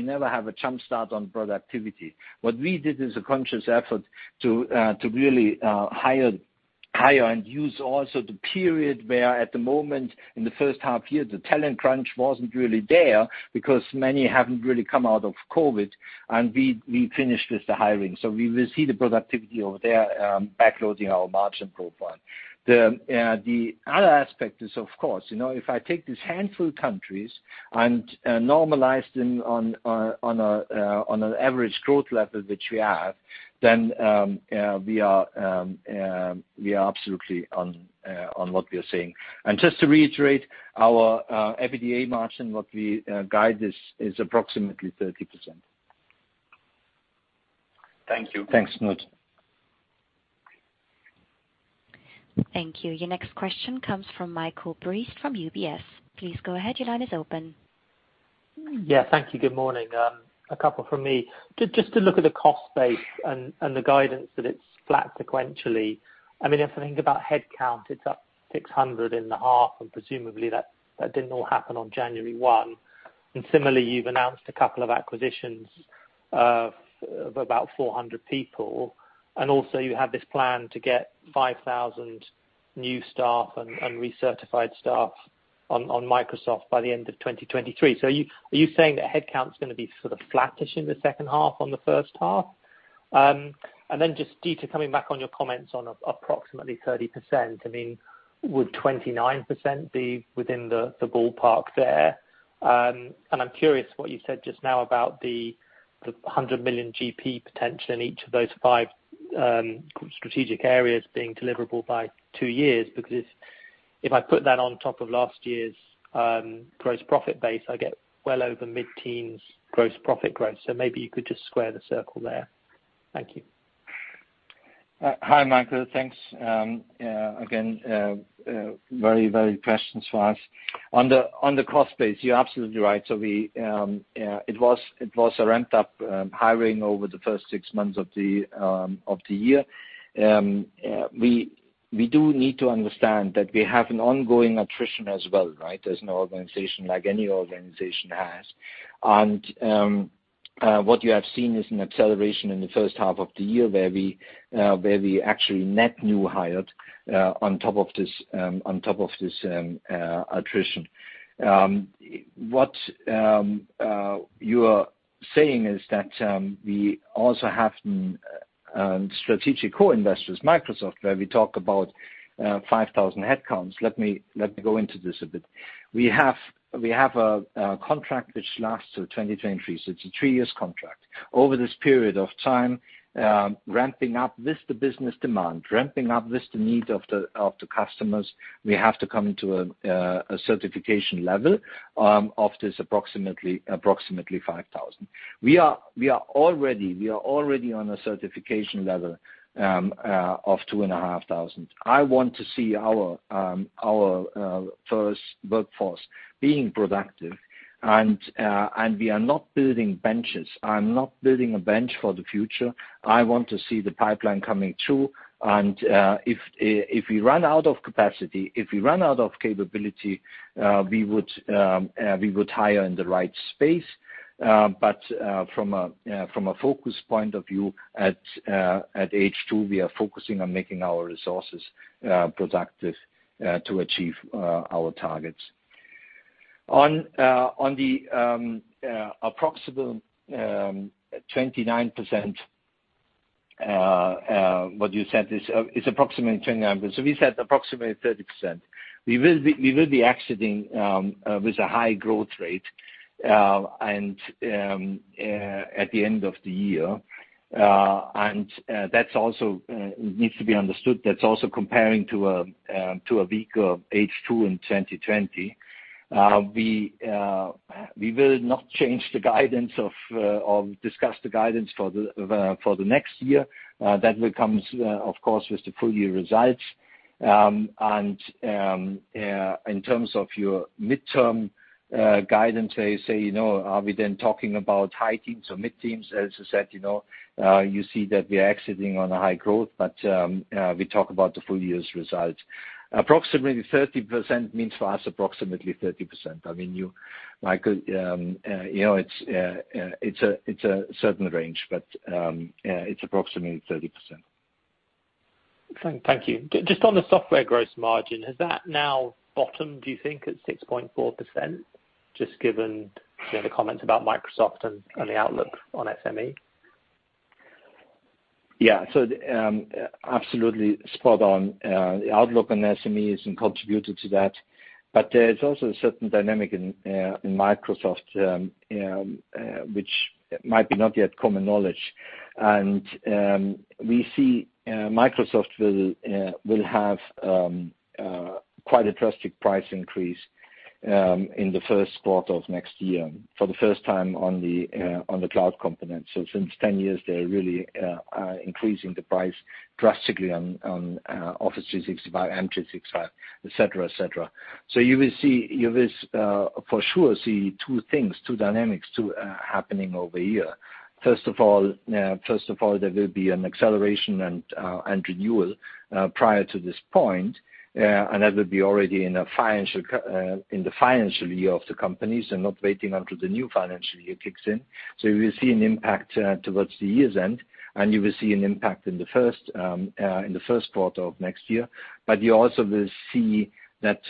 Speaker 2: a jump start on productivity. What we did is a conscious effort to really hire and use also the period where, at the moment, in the first half year, the talent crunch wasn't really there because many haven't really come out of COVID, and we finished with the hiring. We will see the productivity over there backloading our margin profile. The other aspect is, of course, if I take this handful countries and normalize them on an average growth level which we have, then we are absolutely on what we are saying. Just to reiterate our EBITDA margin, what we guide is approximately 30%.
Speaker 7: Thank you.
Speaker 2: Thanks, Knut.
Speaker 1: Thank you. Your next question comes from Michael Briest from UBS. Please go ahead, your line is open.
Speaker 8: Yeah, thank you. Good morning. A couple from me. Just to look at the cost base and the guidance that it's flat sequentially. If I think about headcount, it's up 600 in the half, and presumably, that didn't all happen on January 1. Similarly, you've announced a couple of acquisitions of about 400 people, and also you have this plan to get 5,000 new staff and re-certified staff on Microsoft by the end of 2023. Are you saying that headcount is going to be sort of flattish in the second half on the first half? Just, Dieter, coming back on your comments on approximately 30%, would 29% be within the ballpark there? I'm curious what you said just now about the 100 million GP potential in each of those five strategic areas being deliverable by two years, because if I put that on top of last year's gross profit base, I get well over mid-teens gross profit growth. Maybe you could just square the circle there. Thank you.
Speaker 2: Hi, Michael. Thanks. Again, very valid questions for us. On the cost base, you're absolutely right. It was a ramped-up hiring over the first six months of the year. We do need to understand that we have an ongoing attrition as well, right? As an organization, like any organization has. What you have seen is an acceleration in the first half of the year where we actually net new hired on top of this attrition. What you are saying is that we also have strategic co-investors, Microsoft, where we talk about 5,000 headcounts. Let me go into this a bit. We have a contract which lasts to 2023, so it's a three years contract. Over this period of time, ramping up with the business demand, ramping up with the need of the customers, we have to come to a certification level of this approximately 5,000. We are already on a certification level of 2,500. I want to see our first workforce being productive, we are not building benches. I'm not building a bench for the future. I want to see the pipeline coming through. If we run out of capacity, if we run out of capability, we would hire in the right space. From a focus point of view, at H2, we are focusing on making our resources productive to achieve our targets. On the approximate 29%, what you said is approximately 29%, we said approximately 30%. We will be exiting with a high growth rate at the end of the year. That also needs to be understood, that's also comparing to a weaker H2 in 2020. We will not change the guidance or discuss the guidance for the next year. That will come, of course, with the full-year results. In terms of your midterm guidance, where you say, are we then talking about high teens or mid-teens? As I said, you see that we are exiting on a high growth, but we talk about the full year's results. Approximately 30% means for us approximately 30%. I mean, Michael, it's a certain range, but it's approximately 30%.
Speaker 8: Thank you. Just on the software gross margin, has that now bottomed, do you think, at 6.4%? Just given the comments about Microsoft and the outlook on SME.
Speaker 2: Yeah. Absolutely spot on. The outlook on SME has contributed to that. There's also a certain dynamic in Microsoft, which might be not yet common knowledge. We see Microsoft will have quite a drastic price increase in the first quarter of next year for the first time on the cloud component. Since 10 years, they really are increasing the price drastically on Office 365, M365, et cetera. You will for sure see two things, two dynamics happening over here. First of all, there will be an acceleration and renewal prior to this point, and that will be already in the financial year of the companies and not waiting until the new financial year kicks in. You will see an impact towards the year's end, and you will see an impact in the first quarter of next year. You also will see that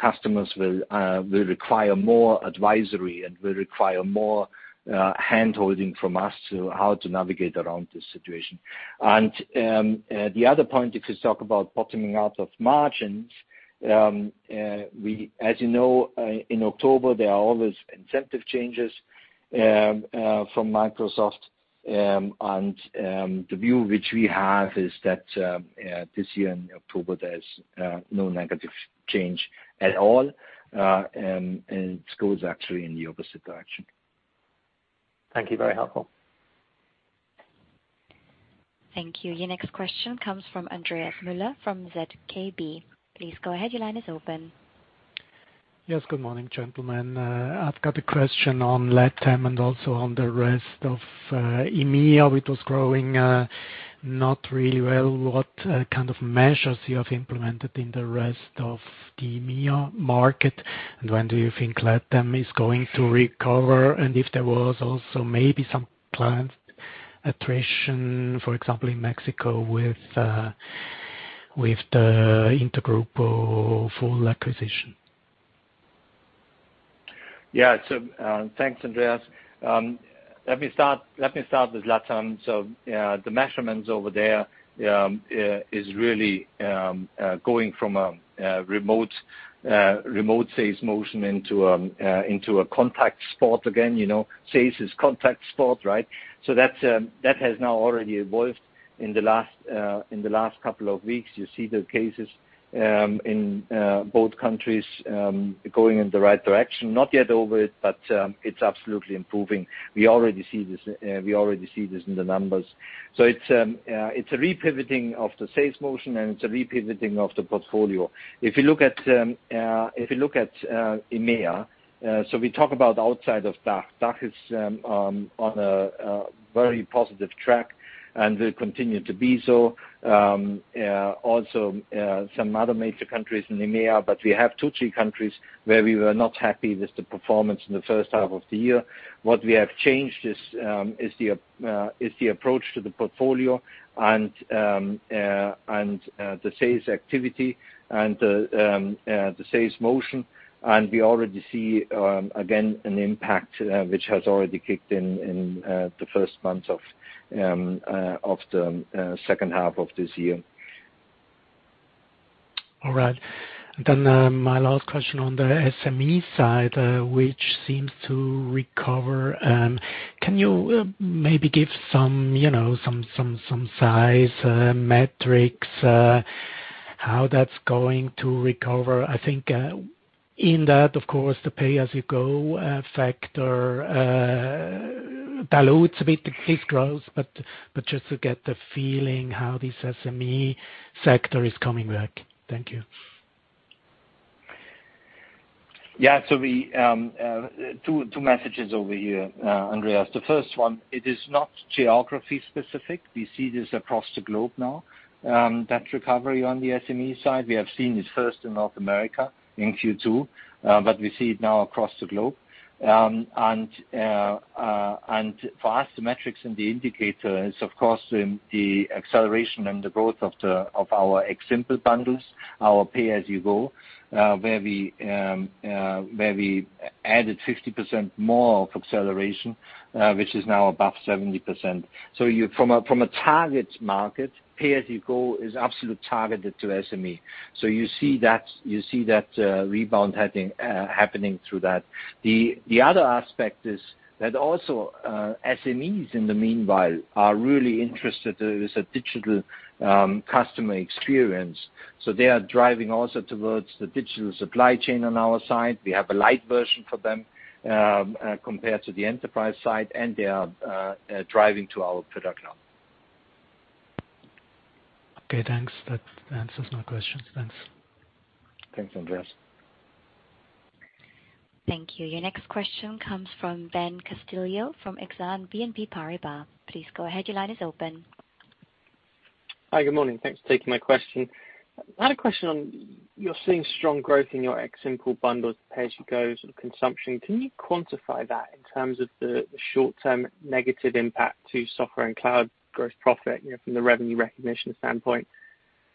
Speaker 2: customers will require more advisory and will require more hand-holding from us to how to navigate around this situation. The other point, if you talk about bottoming out of margins, as you know, in October, there are always incentive changes from Microsoft. The view which we have is that this year in October, there's no negative change at all, and it goes actually in the opposite direction.
Speaker 8: Thank you. Very helpful.
Speaker 1: Thank you. Your next question comes from Andreas Müller from ZKB. Please go ahead. Your line is open.
Speaker 9: Yes. Good morning, gentlemen. I've got a question on LATAM and also on the rest of EMEA, which was growing not really well. What kind of measures you have implemented in the rest of the EMEA market, and when do you think LATAM is going to recover? If there was also maybe some planned attrition, for example, in Mexico with the InterGrupo full acquisition.
Speaker 2: Yeah. Thanks, Andreas. Let me start with LATAM. The measurements over there is really going from a remote sales motion into a contact sport again. Sales is contact sport, right? That has now already evolved in the last couple of weeks. You see the cases in both countries going in the right direction. Not yet over it, but it's absolutely improving. We already see this in the numbers. It's a repivoting of the sales motion, and it's a repivoting of the portfolio. If you look at EMEA, we talk about outside of DACH. DACH is on a very positive track and will continue to be so. Also, some other major countries in EMEA, but we have two, three countries where we were not happy with the performance in the first half of the year. What we have changed is the approach to the portfolio and the sales activity and the sales motion. We already see, again, an impact which has already kicked in the first month of the second half of this year.
Speaker 9: All right. My last question on the SME side, which seems to recover. Can you maybe give some size metrics, how that's going to recover? I think in that, of course, the pay-as-you-go factor dilutes a bit this growth, but just to get the feeling how this SME sector is coming back. Thank you.
Speaker 2: Yeah. Two messages over here, Andreas. The first one, it is not geography specific. We see this across the globe now, that recovery on the SME side. We have seen it first in North America in Q2, but we see it now across the globe. For us, the metrics and the indicator is, of course, the acceleration and the growth of our X Simple bundles, our pay-as-you-go, where we added 50% more of acceleration, which is now above 70%. From a target market, pay-as-you-go is absolute targeted to SME. You see that rebound happening through that. The other aspect is that also SMEs, in the meanwhile, are really interested with a digital customer experience. They are driving also towards the digital supply chain on our side. We have a light version for them compared to the enterprise side, and they are driving to our production.
Speaker 9: Okay, thanks. That answers my questions. Thanks.
Speaker 2: Thanks, Andreas.
Speaker 1: Thank you. Your next question comes from Ben Castillo from Exane BNP Paribas. Please go ahead. Your line is open.
Speaker 10: Hi. Good morning. Thanks for taking my question. I had a question on, you're seeing strong growth in your X Simple bundles, pay-as-you-go sort of consumption. Can you quantify that in terms of the short-term negative impact to Software & Cloud gross profit, from the revenue recognition standpoint?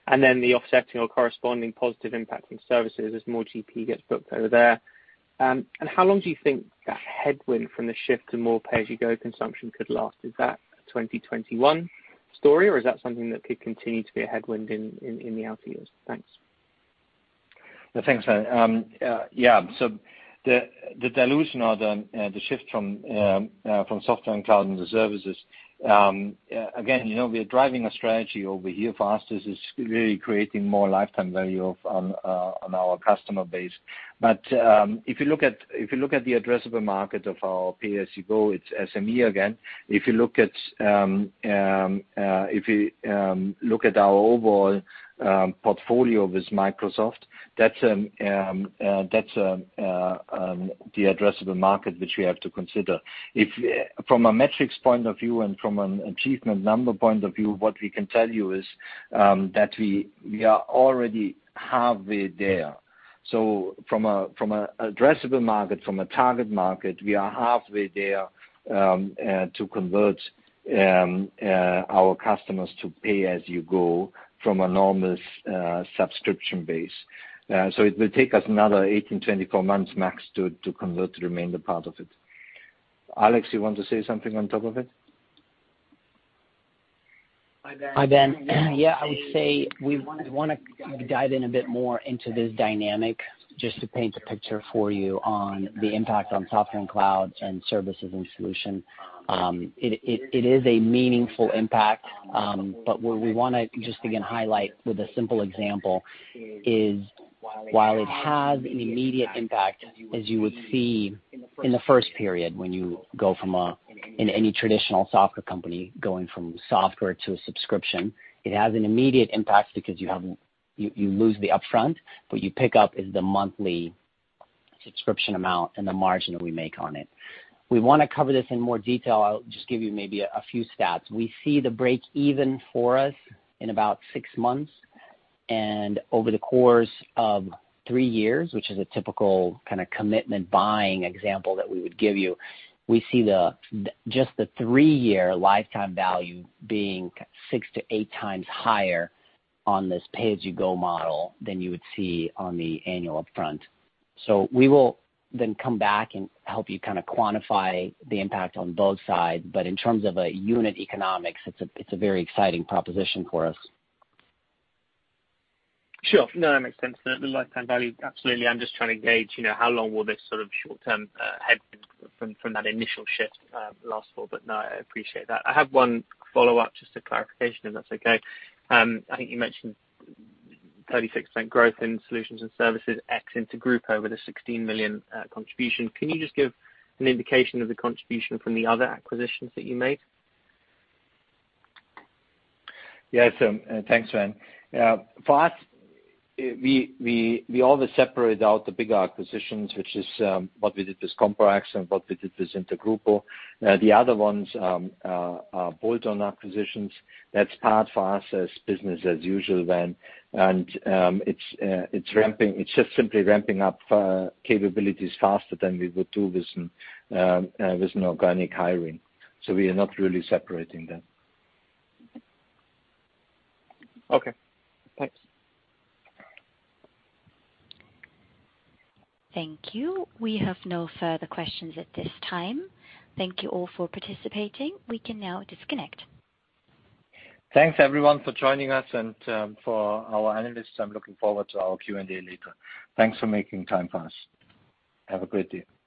Speaker 10: Then the offsetting or corresponding positive impact from services as more GP gets booked over there. How long do you think that headwind from the shift to more pay-as-you-go consumption could last? Is that a 2021 story or is that something that could continue to be a headwind in the out years? Thanks.
Speaker 2: Thanks, Ben. The dilution or the shift from Software & Cloud into services. Again, we are driving a strategy over here for us is really creating more lifetime value on our customer base. If you look at the addressable market of our pay-as-you-go, it's SME again. If you look at our overall portfolio with Microsoft, that's the addressable market which we have to consider. From a metrics point of view and from an achievement number point of view, what we can tell you is that we are already halfway there. From an addressable market, from a target market, we are halfway there to convert our customers to pay-as-you-go from enormous subscription base. It will take us another 18-24 months max to convert the remainder part of it. Alex, you want to say something on top of it?
Speaker 3: Hi, Ben. Yeah, I would say we want to dive in a bit more into this dynamic just to paint a picture for you on the impact on Software & Cloud and services and solution. It is a meaningful impact. What we want to just again highlight with a simple example is while it has an immediate impact, as you would see in the first period, when you go from, in any traditional software company, going from software to a subscription, it has an immediate impact because you lose the upfront. What you pick up is the monthly subscription amount and the margin that we make on it. We want to cover this in more detail. I'll just give you maybe a few stats. We see the break even for us in about six months. Over the course of three years, which is a typical kind of commitment buying example that we would give you, we see just the three-year lifetime value being 6x-8xhigher on this pay-as-you-go model than you would see on the annual upfront. We will then come back and help you quantify the impact on both sides. In terms of a unit economics, it's a very exciting proposition for us.
Speaker 10: Sure. No, that makes sense. The lifetime value, absolutely. I'm just trying to gauge how long will this sort of short-term headwind from that initial shift last for. No, I appreciate that. I have one follow-up just a clarification, if that's okay. I think you mentioned 36% growth in Solutions & Services, ex InterGrupo with a 16 million contribution. Can you just give an indication of the contribution from the other acquisitions that you made?
Speaker 2: Yeah. Thanks, Ben. For us, we always separate out the bigger acquisitions, which is what we did with Comparex and what we did with InterGrupo. The other ones are bolt-on acquisitions. That's part for us as business as usual, Ben. It's just simply ramping up capabilities faster than we would do with an organic hiring. We are not really separating them.
Speaker 10: Okay, thanks.
Speaker 1: Thank you. We have no further questions at this time. Thank you all for participating. We can now disconnect.
Speaker 2: Thanks everyone for joining us and for our analysts, I'm looking forward to our Q&A later. Thanks for making time for us. Have a great day. Bye.